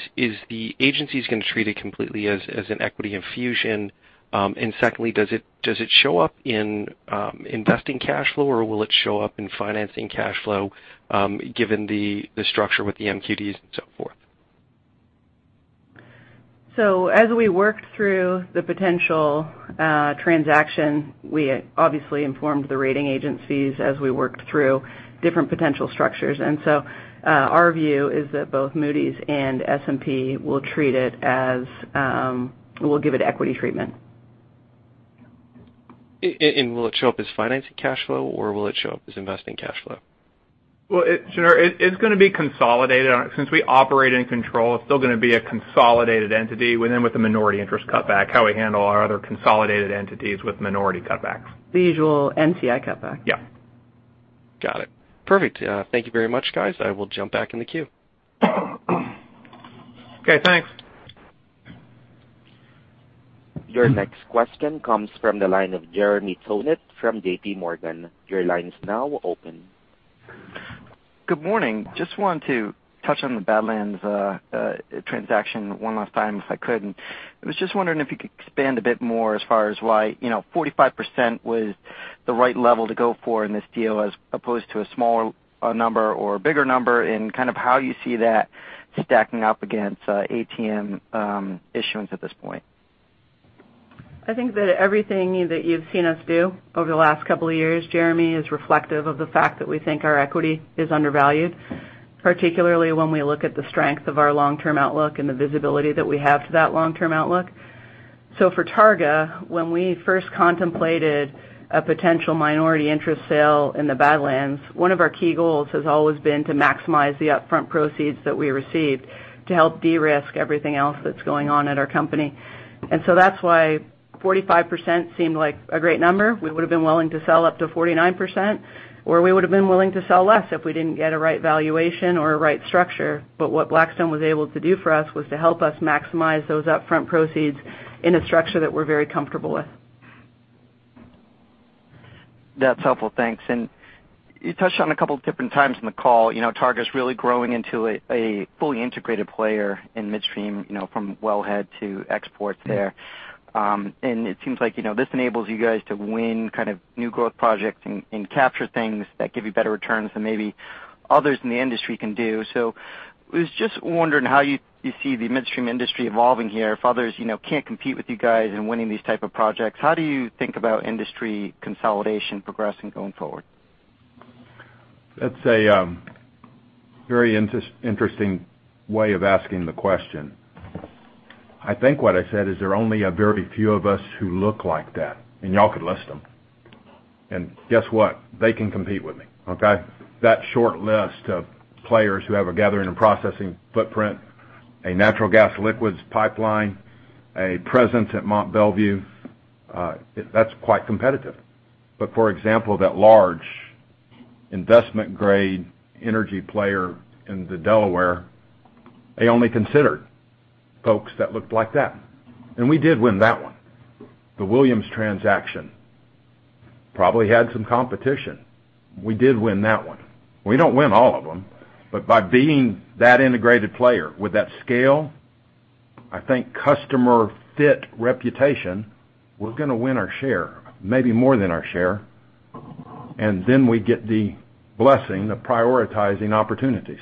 the agencies going to treat it completely as an equity infusion? Secondly, does it show up in investing cash flow, or will it show up in financing cash flow given the structure with the MQDs and so forth? As we worked through the potential transaction, we obviously informed the rating agencies as we worked through different potential structures. Our view is that both Moody's and S&P will give it equity treatment. Will it show up as financing cash flow, or will it show up as investing cash flow? It's going to be consolidated. Since we operate and control, it's still going to be a consolidated entity with a minority interest cutback, how we handle our other consolidated entities with minority cutbacks. The usual NCI cutback. Yeah. Got it. Perfect. Thank you very much, guys. I will jump back in the queue. Okay, thanks. Your next question comes from the line of Jeremy Tonet from J.P. Morgan. Your line is now open. Good morning. Just wanted to touch on the Badlands transaction one last time, if I could. I was just wondering if you could expand a bit more as far as why 45% was the right level to go for in this deal as opposed to a smaller number or a bigger number, and how you see that stacking up against ATM issuance at this point. I think that everything that you've seen us do over the last couple of years, Jeremy, is reflective of the fact that we think our equity is undervalued, particularly when we look at the strength of our long-term outlook and the visibility that we have for that long-term outlook. For Targa, when we first contemplated a potential minority interest sale in the Badlands, one of our key goals has always been to maximize the upfront proceeds that we received to help de-risk everything else that's going on at our company. That's why 45% seemed like a great number. We would've been willing to sell up to 49%, or we would've been willing to sell less if we didn't get a right valuation or a right structure. What Blackstone was able to do for us was to help us maximize those upfront proceeds in a structure that we're very comfortable with. That's helpful. Thanks. You touched on a couple different times in the call, Targa's really growing into a fully integrated player in midstream from wellhead to export there. It seems like this enables you guys to win new growth projects and capture things that give you better returns than maybe others in the industry can do. I was just wondering how you see the midstream industry evolving here. If others can't compete with you guys in winning these type of projects, how do you think about industry consolidation progressing going forward? That's a very interesting way of asking the question. I think what I said is there are only a very few of us who look like that, and you all could list them. Guess what? They can compete with me. Okay? That short list of players who have a gathering and processing footprint, a natural gas liquids pipeline, a presence at Mont Belvieu, that's quite competitive. For example, that large investment-grade energy player in the Delaware, they only considered folks that looked like that. We did win that one. The Williams transaction probably had some competition. We did win that one. We don't win all of them. By being that integrated player with that scale, I think customer fit reputation, we're going to win our share, maybe more than our share. Then we get the blessing of prioritizing opportunities.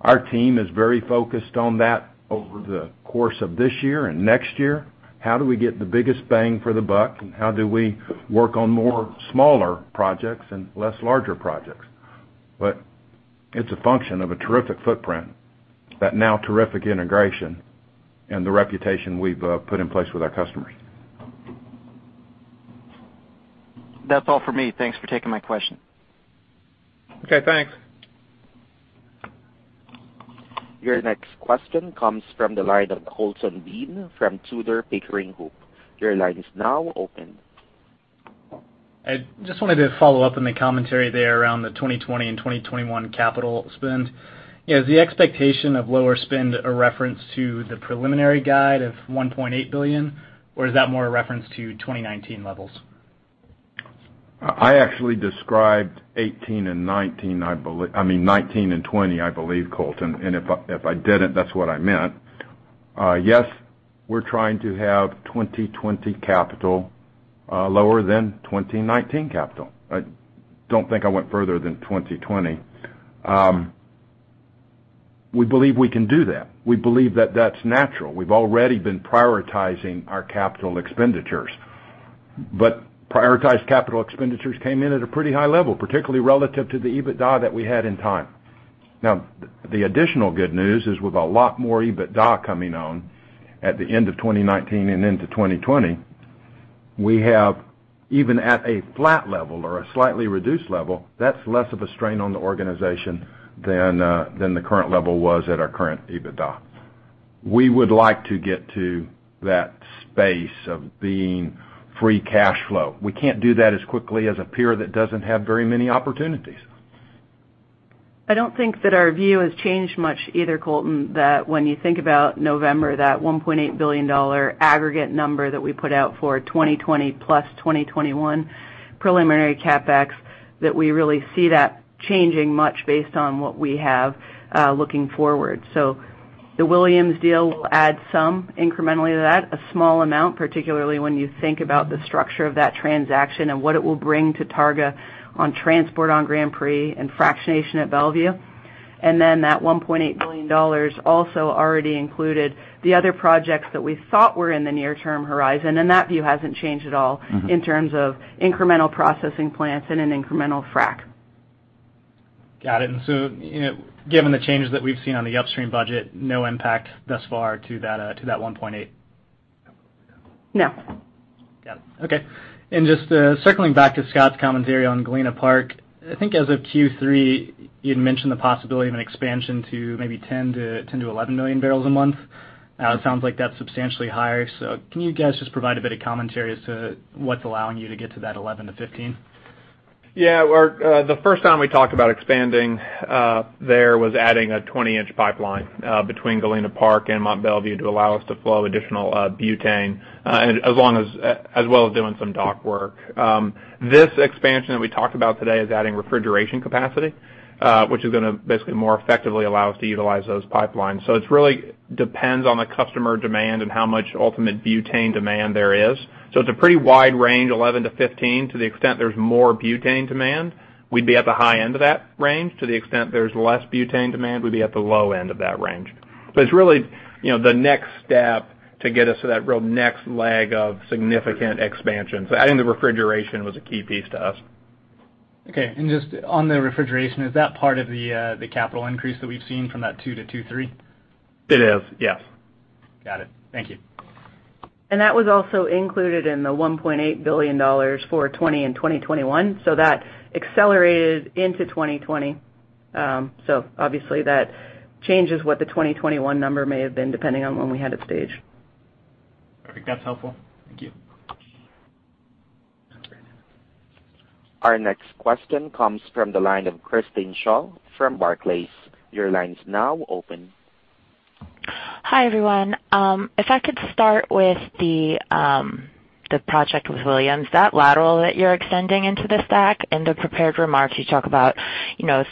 Our team is very focused on that over the course of this year and next year. How do we get the biggest bang for the buck, and how do we work on more smaller projects and less larger projects? It's a function of a terrific footprint, that now terrific integration, and the reputation we've put in place with our customers. That's all for me. Thanks for taking my question. Okay, thanks. Your next question comes from the line of Colton Bean from Tudor, Pickering, Holt. Your line is now open. I just wanted to follow up on the commentary there around the 2020 and 2021 capital spend. Is the expectation of lower spend a reference to the preliminary guide of $1.8 billion, or is that more a reference to 2019 levels? I actually described 2019 and 2020, I believe, Colton, and if I didn't, that's what I meant. Yes, we're trying to have 2020 capital lower than 2019 capital. I don't think I went further than 2020. We believe we can do that. We believe that that's natural. We've already been prioritizing our capital expenditures. Prioritized capital expenditures came in at a pretty high level, particularly relative to the EBITDA that we had in time. The additional good news is with a lot more EBITDA coming on at the end of 2019 and into 2020, we have, even at a flat level or a slightly reduced level, that's less of a strain on the organization than the current level was at our current EBITDA. We would like to get to that space of being free cash flow. We can't do that as quickly as a peer that doesn't have very many opportunities. I don't think that our view has changed much either, Colton, that when you think about November, that $1.8 billion aggregate number that we put out for 2020 plus 2021 preliminary CapEx, that we really see that changing much based on what we have looking forward. The Williams deal will add some incrementally to that, a small amount, particularly when you think about the structure of that transaction and what it will bring to Targa on transport on Grand Prix and fractionation at Mont Belvieu. That $1.8 billion also already included the other projects that we thought were in the near-term horizon. That view hasn't changed at all in terms of incremental processing plants and an incremental frack. Got it. Given the changes that we've seen on the upstream budget, no impact thus far to that $1.8? No. Got it. Okay. Just circling back to Scott's commentary on Galena Park, I think as of Q3, you'd mentioned the possibility of an expansion to maybe 10 million-11 million barrels a month. It sounds like that's substantially higher. Can you guys just provide a bit of commentary as to what's allowing you to get to that 11-15? Yeah. The first time we talked about expanding there was adding a 20-inch pipeline between Galena Park and Mont Belvieu to allow us to flow additional butane as well as doing some dock work. This expansion that we talked about today is adding refrigeration capacity, which is going to basically more effectively allow us to utilize those pipelines. It really depends on the customer demand and how much ultimate butane demand there is. It's a pretty wide range, 11-15. To the extent there's more butane demand, we'd be at the high end of that range. To the extent there's less butane demand, we'd be at the low end of that range. It's really the next step to get us to that real next leg of significant expansion. Adding the refrigeration was a key piece to us. Okay. Just on the refrigeration, is that part of the capital increase that we've seen from that two to two three? It is, yes. Got it. Thank you. That was also included in the $1.8 billion for 2020 and 2021. That accelerated into 2020. Obviously, that changes what the 2021 number may have been depending on when we had it staged. I think that's helpful. Thank you. Our next question comes from the line of Christine Cho from Barclays. Your line's now open. Hi, everyone. If I could start with the project with Williams. That lateral that you're extending into the stack, in the prepared remarks, you talk about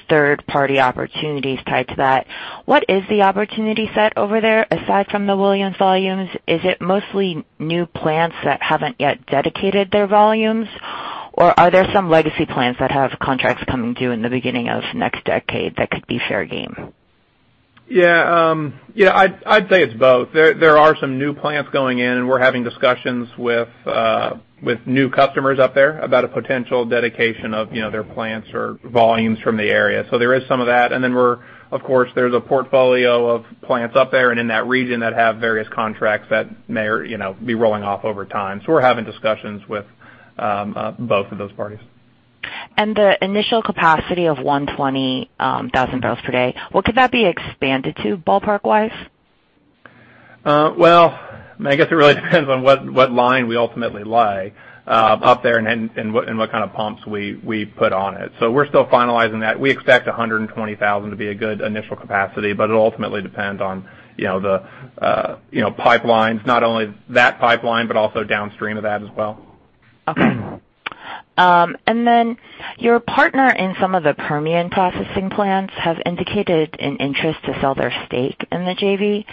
third-party opportunities tied to that. What is the opportunity set over there, aside from the Williams volumes? Is it mostly new plants that haven't yet dedicated their volumes, or are there some legacy plants that have contracts coming due in the beginning of next decade that could be fair game? Yeah. I'd say it's both. There are some new plants going in. We're having discussions with new customers up there about a potential dedication of their plants or volumes from the area. There is some of that. Of course, there's a portfolio of plants up there and in that region that have various contracts that may be rolling off over time. We're having discussions with both of those parties. The initial capacity of 120,000 barrels per day, what could that be expanded to ballpark-wise? Well, I guess it really depends on what line we ultimately lay up there and what kind of pumps we put on it. We're still finalizing that. We expect 120,000 to be a good initial capacity, but it ultimately depends on the pipelines, not only that pipeline, but also downstream of that as well. Okay. Then your partner in some of the Permian processing plants have indicated an interest to sell their stake in the JV.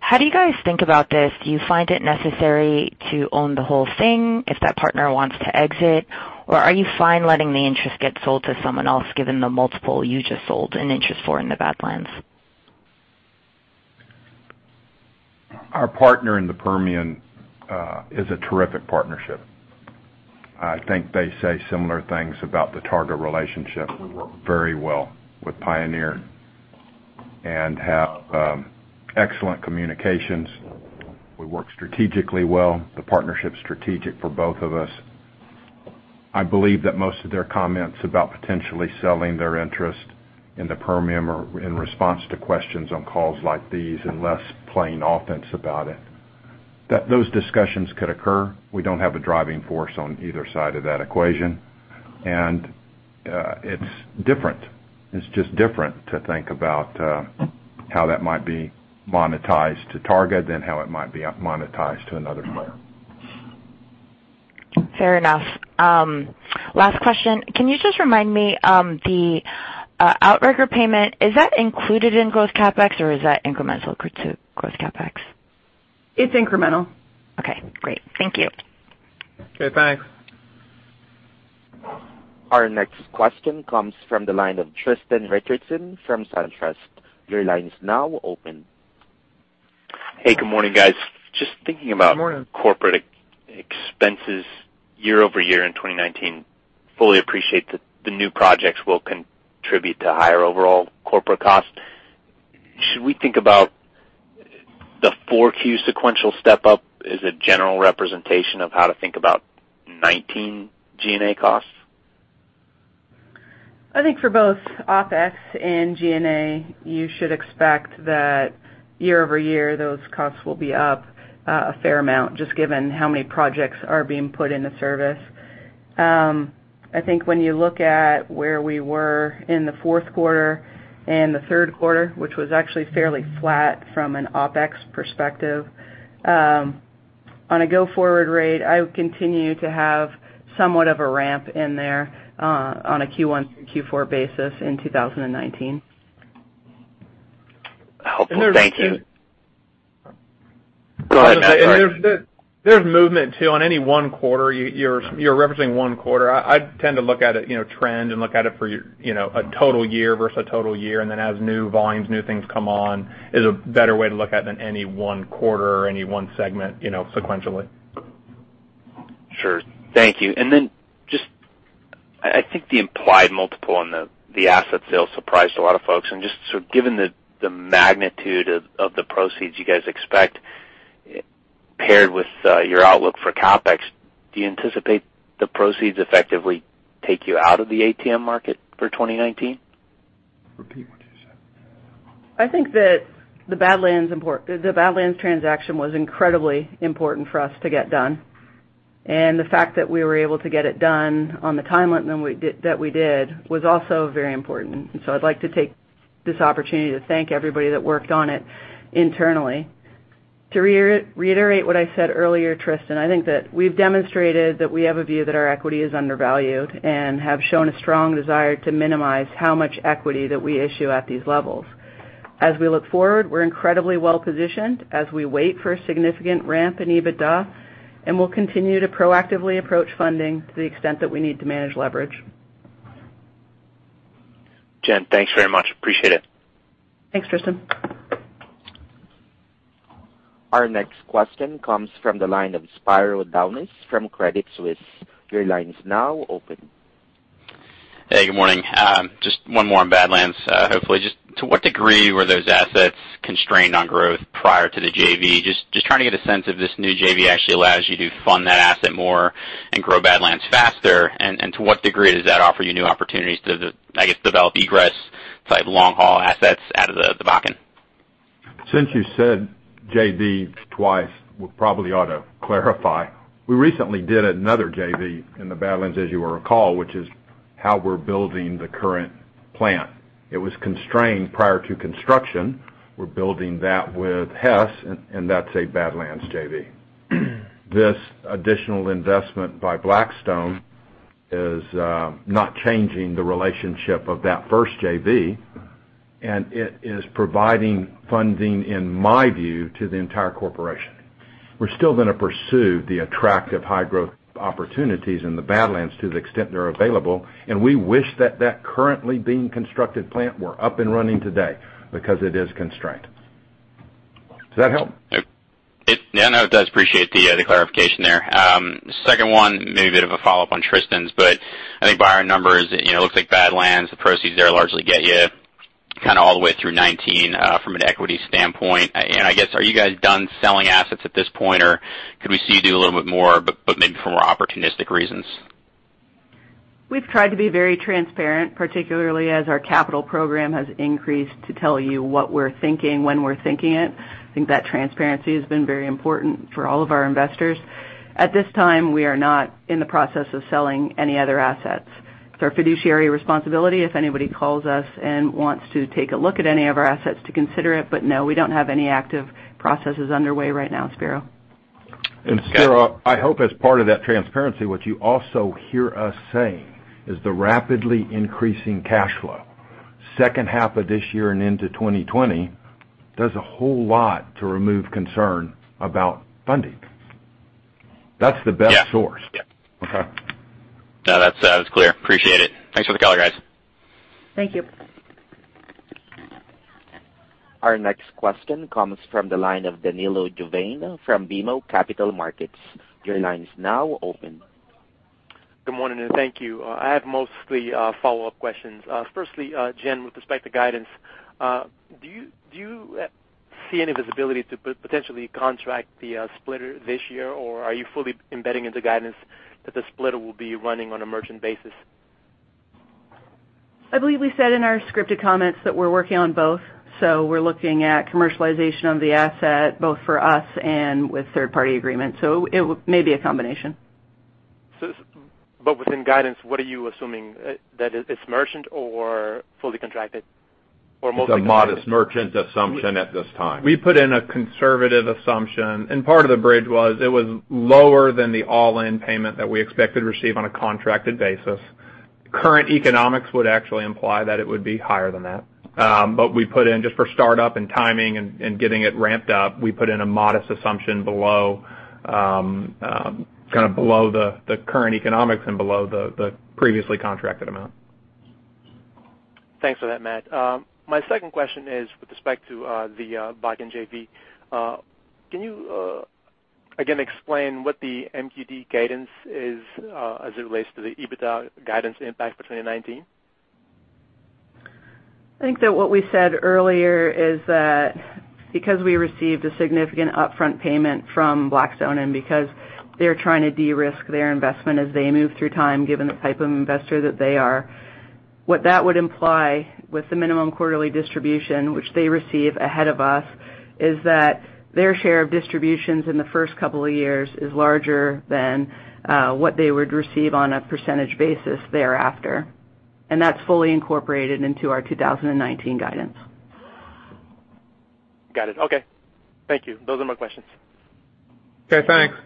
How do you guys think about this? Do you find it necessary to own the whole thing if that partner wants to exit? Or are you fine letting the interest get sold to someone else given the multiple you just sold an interest for in the Badlands? Our partner in the Permian is a terrific partnership. I think they say similar things about the Targa relationship. We work very well with Pioneer and have excellent communications. We work strategically well. The partnership's strategic for both of us. I believe that most of their comments about potentially selling their interest in the Permian are in response to questions on calls like these and less playing offense about it. Those discussions could occur. We don't have a driving force on either side of that equation. It's different. It's just different to think about how that might be monetized to Targa than how it might be monetized to another player. Fair enough. Last question. Can you just remind me, the Outrigger payment, is that included in growth CapEx or is that incremental to growth CapEx? It's incremental. Okay, great. Thank you. Okay, thanks. Our next question comes from the line of Tristan Richardson from SunTrust. Your line is now open. Hey, good morning, guys. Good morning corporate expenses year-over-year in 2019. Fully appreciate that the new projects will contribute to higher overall corporate costs. Should we think about the 4Q sequential step-up as a general representation of how to think about 2019 G&A costs? I think for both OpEx and G&A, you should expect that year-over-year, those costs will be up a fair amount, just given how many projects are being put into service. I think when you look at where we were in the fourth quarter and the third quarter, which was actually fairly flat from an OpEx perspective. On a go-forward rate, I would continue to have somewhat of a ramp in there on a Q1 through Q4 basis in 2019. Helpful. Thank you. And there's- Go ahead, Matt, sorry. There's movement, too. On any one quarter, you're referencing one quarter. I tend to look at it, trend and look at it for a total year versus a total year. As new volumes, new things come on, is a better way to look at than any one quarter or any one segment sequentially. Sure. Thank you. Just I think the implied multiple on the asset sale surprised a lot of folks. Given the magnitude of the proceeds you guys expect paired with your outlook for CapEx, do you anticipate the proceeds effectively take you out of the ATM market for 2019? Repeat what you said. I think that the Badlands transaction was incredibly important for us to get done, the fact that we were able to get it done on the timeline that we did was also very important. So I'd like to take this opportunity to thank everybody that worked on it internally. To reiterate what I said earlier, Tristan, I think that we've demonstrated that we have a view that our equity is undervalued and have shown a strong desire to minimize how much equity that we issue at these levels. As we look forward, we're incredibly well-positioned as we wait for a significant ramp in EBITDA, we'll continue to proactively approach funding to the extent that we need to manage leverage. Jen, thanks very much. Appreciate it. Thanks, Tristan. Our next question comes from the line of Spiro Dounis from Credit Suisse. Your line is now open. Hey, good morning. Just one more on Badlands. Hopefully, just to what degree were those assets constrained on growth prior to the JV? Just trying to get a sense if this new JV actually allows you to fund that asset more and grow Badlands faster, and to what degree does that offer you new opportunities to, I guess, develop egress type long-haul assets out of the Bakken? Since you said JV twice, we probably ought to clarify. We recently did another JV in the Badlands, as you will recall, which is how we're building the current plant. It was constrained prior to construction. We're building that with Hess, and that's a Badlands JV. This additional investment by Blackstone is not changing the relationship of that first JV, and it is providing funding, in my view, to the entire corporation. We're still going to pursue the attractive high-growth opportunities in the Badlands to the extent they're available, and we wish that that currently being constructed plant were up and running today because it is constrained. Does that help? Yeah, no, it does. Appreciate the clarification there. Second one, maybe a bit of a follow-up on Tristan's, but I think by our numbers, it looks like Badlands, the proceeds there largely get you kind of all the way through 2019 from an equity standpoint. I guess, are you guys done selling assets at this point, or could we see you do a little bit more, but maybe for more opportunistic reasons? We've tried to be very transparent, particularly as our capital program has increased, to tell you what we're thinking when we're thinking it. I think that transparency has been very important for all of our investors. At this time, we are not in the process of selling any other assets. It's our fiduciary responsibility if anybody calls us and wants to take a look at any of our assets to consider it. No, we don't have any active processes underway right now, Spiro. Spiro, I hope as part of that transparency, what you also hear us saying is the rapidly increasing cash flow second half of this year and into 2020 does a whole lot to remove concern about funding. That's the best source. Yeah. Okay. No, that's clear. Appreciate it. Thanks for the color, guys. Thank you. Our next question comes from the line of Danilo Giurdanella from BMO Capital Markets. Your line is now open. Good morning, thank you. I have mostly follow-up questions. Firstly, Jen, with respect to guidance, do you see any visibility to potentially contract the splitter this year, or are you fully embedding into guidance that the splitter will be running on a merchant basis? I believe we said in our scripted comments that we're working on both. We're looking at commercialization of the asset both for us and with third-party agreements. It may be a combination. Within guidance, what are you assuming? That it's merchant or fully contracted? It's a modest merchant assumption at this time. We put in a conservative assumption, part of the bridge was it was lower than the all-in payment that we expected to receive on a contracted basis. Current economics would actually imply that it would be higher than that. We put in, just for startup and timing and getting it ramped up, we put in a modest assumption below the current economics and below the previously contracted amount. Thanks for that, Matt. My second question is with respect to the Bakken JV. Can you, again, explain what the MQD guidance is, as it relates to the EBITDA guidance impact between the 2019? I think that what we said earlier is that because we received a significant upfront payment from Blackstone, and because they're trying to de-risk their investment as they move through time, given the type of investor that they are, what that would imply with the minimum quarterly distribution, which they receive ahead of us, is that their share of distributions in the first couple of years is larger than what they would receive on a percentage basis thereafter. That's fully incorporated into our 2019 guidance. Got it. Okay. Thank you. Those are my questions. Okay, thanks.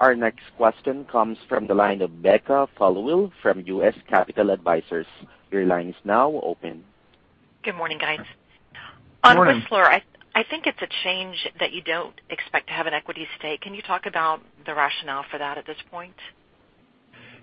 Our next question comes from the line of Becca Followill from U.S. Capital Advisors. Your line is now open. Good morning, guys. Morning. On Whistler, I think it's a change that you don't expect to have an equity stake. Can you talk about the rationale for that at this point?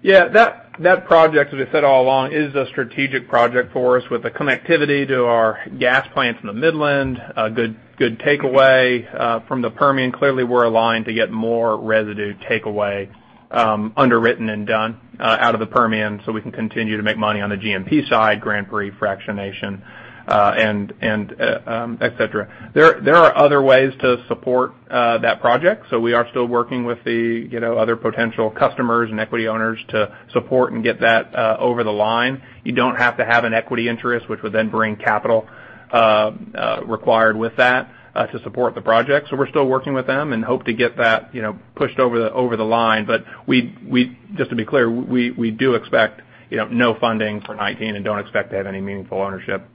Yeah. That project, as we said all along, is a strategic project for us with the connectivity to our gas plants in the Midland. A good takeaway from the Permian. Clearly, we're aligned to get more residue takeaway underwritten and done out of the Permian so we can continue to make money on the GMP side, Grand Prix fractionation, et cetera. There are other ways to support that project. We are still working with the other potential customers and equity owners to support and get that over the line. You don't have to have an equity interest, which would then bring capital required with that to support the project. We're still working with them and hope to get that pushed over the line. Just to be clear, we do expect no funding for 2019 and don't expect to have any meaningful ownership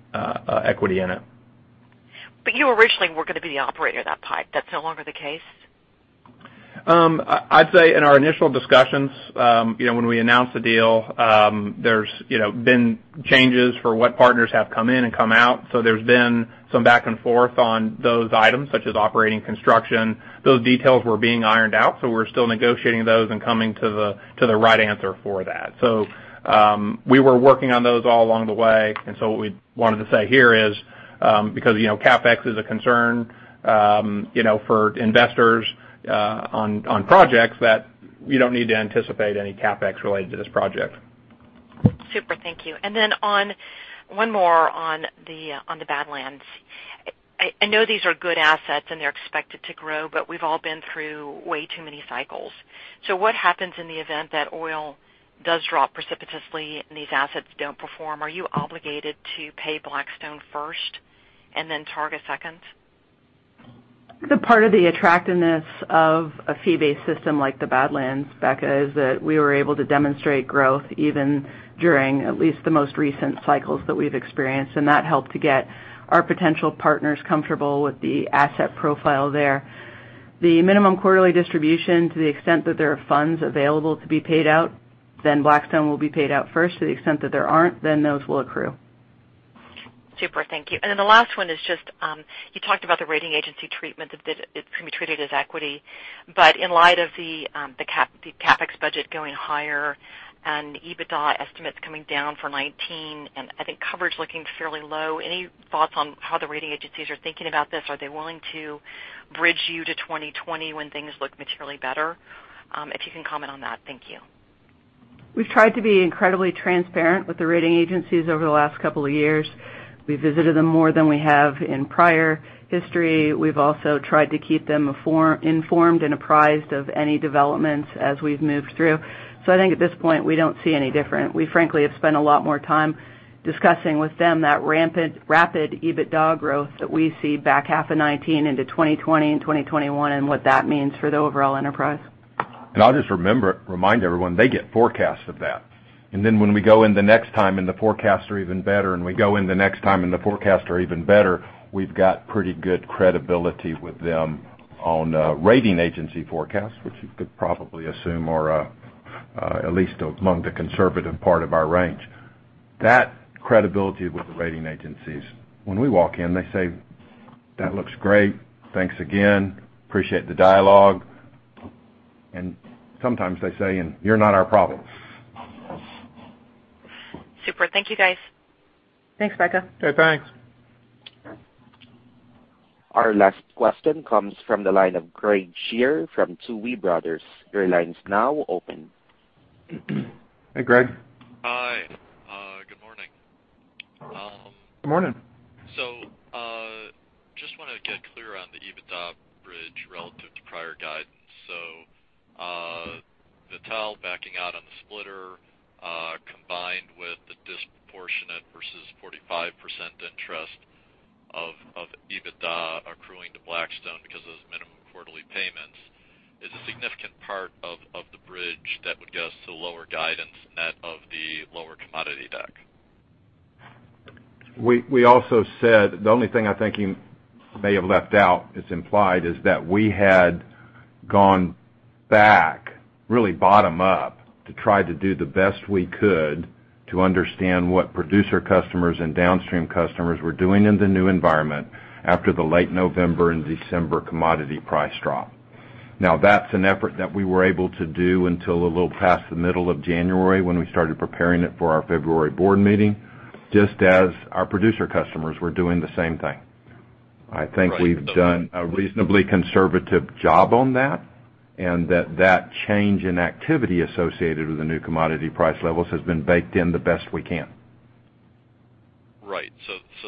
equity in it. You originally were going to be the operator of that pipe. That's no longer the case? I'd say in our initial discussions, when we announced the deal, there's been changes for what partners have come in and come out. There's been some back and forth on those items, such as operating construction. Those details were being ironed out, we're still negotiating those and coming to the right answer for that. We were working on those all along the way, what we wanted to say here is, because CapEx is a concern for investors on projects, that you don't need to anticipate any CapEx related to this project. Super. Thank you. One more on the Badlands. I know these are good assets, and they're expected to grow, but we've all been through way too many cycles. What happens in the event that oil does drop precipitously, and these assets don't perform? Are you obligated to pay Blackstone first and then Targa second? The part of the attractiveness of a fee-based system like the Badlands, Becca, is that we were able to demonstrate growth even during at least the most recent cycles that we've experienced, and that helped to get our potential partners comfortable with the asset profile there. The Minimum Quarterly Distribution, to the extent that there are funds available to be paid out, Blackstone will be paid out first. To the extent that there aren't, those will accrue. Super. Thank you. The last one is just, you talked about the rating agency treatment, that it can be treated as equity. In light of the CapEx budget going higher and the EBITDA estimates coming down for 2019, and I think coverage looking fairly low, any thoughts on how the rating agencies are thinking about this? Are they willing to bridge you to 2020 when things look materially better? If you can comment on that. Thank you. We've tried to be incredibly transparent with the rating agencies over the last couple of years. We visited them more than we have in prior history. We've also tried to keep them informed and apprised of any developments as we've moved through. I think at this point, we don't see any different. We frankly have spent a lot more time discussing with them that rapid EBITDA growth that we see back half of 2019 into 2020 and 2021, and what that means for the overall enterprise. I'll just remind everyone, they get forecasts of that. Then when we go in the next time, and the forecasts are even better, and we go in the next time, and the forecasts are even better, we've got pretty good credibility with them on rating agency forecasts, which you could probably assume are at least among the conservative part of our range. That credibility with the rating agencies, when we walk in, they say, "That looks great. Thanks again. Appreciate the dialogue." Sometimes they say, "And you're not our problem. Super. Thank you, guys. Thanks, Becca. Okay, thanks. Our last question comes from the line of Craig Shere from Tuohy Brothers. Your line is now open. Hey, Craig. Hi. Good morning. Good morning. Just want to get clear on the EBITDA bridge relative to prior guidance. Vitol backing out on the splitter, combined with the disproportionate versus 45% interest of EBITDA accruing to Blackstone because of those minimum quarterly payments of the bridge that would get us to lower guidance net of the lower commodity deck. We also said the only thing I think you may have left out is implied is that we had gone back really bottom up to try to do the best we could to understand what producer customers and downstream customers were doing in the new environment after the late November and December commodity price drop. That's an effort that we were able to do until a little past the middle of January when we started preparing it for our February board meeting, just as our producer customers were doing the same thing. I think we've done a reasonably conservative job on that, and that change in activity associated with the new commodity price levels has been baked in the best we can. Right.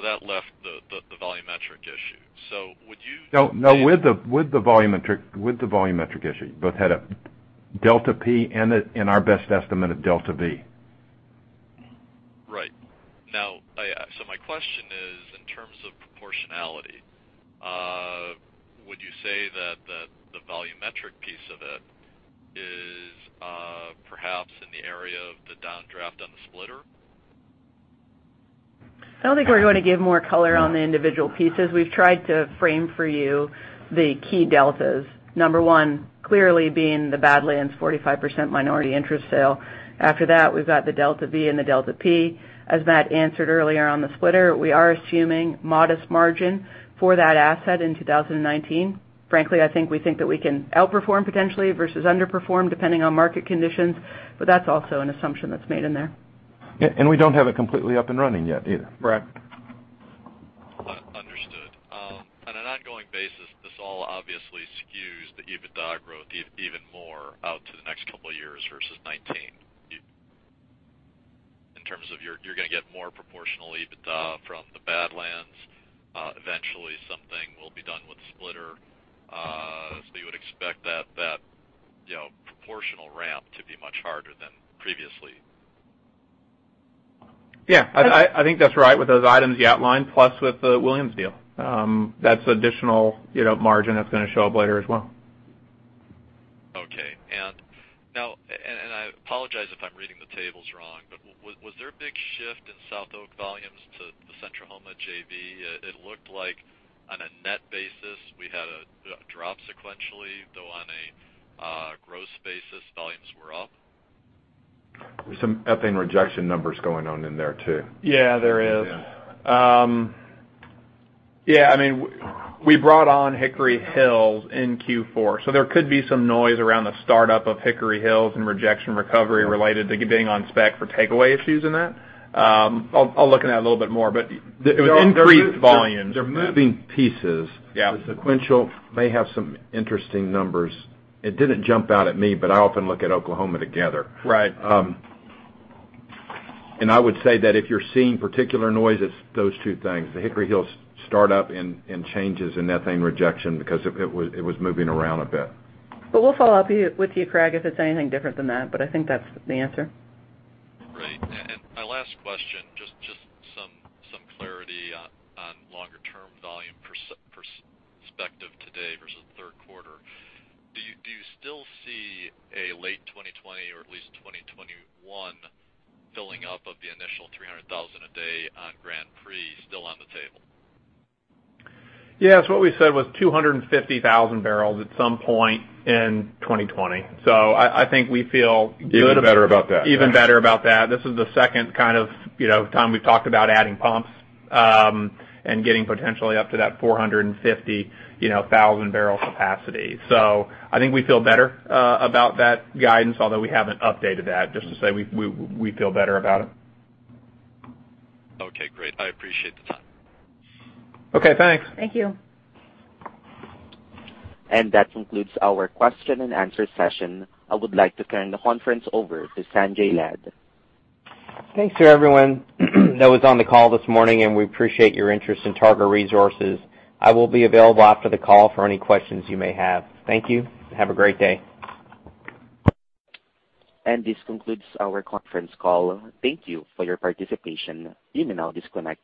That left the volumetric issue. Would you No, with the volumetric issue, you both had a delta P and our best estimate of delta V. Right. Now, my question is, in terms of proportionality, would you say that the volumetric piece of it is perhaps in the area of the downdraft on the splitter? I don't think we're going to give more color on the individual pieces. We've tried to frame for you the key deltas. Number one, clearly being the Badlands 45% minority interest sale. After that, we've got the delta V and the delta P. As Matt answered earlier on the splitter, we are assuming modest margin for that asset in 2019. Frankly, I think we think that we can outperform potentially versus underperform, depending on market conditions, but that's also an assumption that's made in there. We don't have it completely up and running yet either. Correct. Understood. On an ongoing basis, this all obviously skews the EBITDA growth even more out to the next couple of years versus 2019. In terms of you're going to get more proportional EBITDA from the Badlands. Eventually, something will be done with the splitter. You would expect that proportional ramp to be much harder than previously. Yeah, I think that's right with those items you outlined, plus with the Williams deal. That's additional margin that's going to show up later as well. Okay. I apologize if I'm reading the tables wrong, but was there a big shift in SouthOK volumes to the Central Oklahoma JV? It looked like on a net basis, we had a drop sequentially, though on a gross basis, volumes were up. There's some ethane rejection numbers going on in there too. Yeah, there is. Yeah, we brought on Hickory Hills in Q4. There could be some noise around the start-up of Hickory Hill and rejection recovery related to getting on spec for takeaway issues in that. I'll look at that a little bit more, but it was increased volumes. There are moving pieces. Yeah. The sequential may have some interesting numbers. It didn't jump out at me, but I often look at Oklahoma together. Right. I would say that if you're seeing particular noise, it's those two things, the Hickory Hills start up and changes in ethane rejection because it was moving around a bit. We'll follow up with you, Craig, if it's anything different than that, but I think that's the answer. My last question, just some clarity on longer-term volume perspective today versus the third quarter. Do you still see a late 2020 or at least 2021 filling up of the initial 300,000 a day on Grand Prix still on the table? Yes, what we said was 250,000 barrels at some point in 2020. I think we feel- Even better about that. Even better about that. This is the second kind of time we've talked about adding pumps, and getting potentially up to that 450,000 barrel capacity. I think we feel better about that guidance, although we haven't updated that, just to say we feel better about it. Okay, great. I appreciate the time. Okay, thanks. Thank you. That concludes our question and answer session. I would like to turn the conference over to Sanjay Lad. Thanks to everyone that was on the call this morning, and we appreciate your interest in Targa Resources. I will be available after the call for any questions you may have. Thank you. Have a great day. This concludes our conference call. Thank you for your participation. You may now disconnect.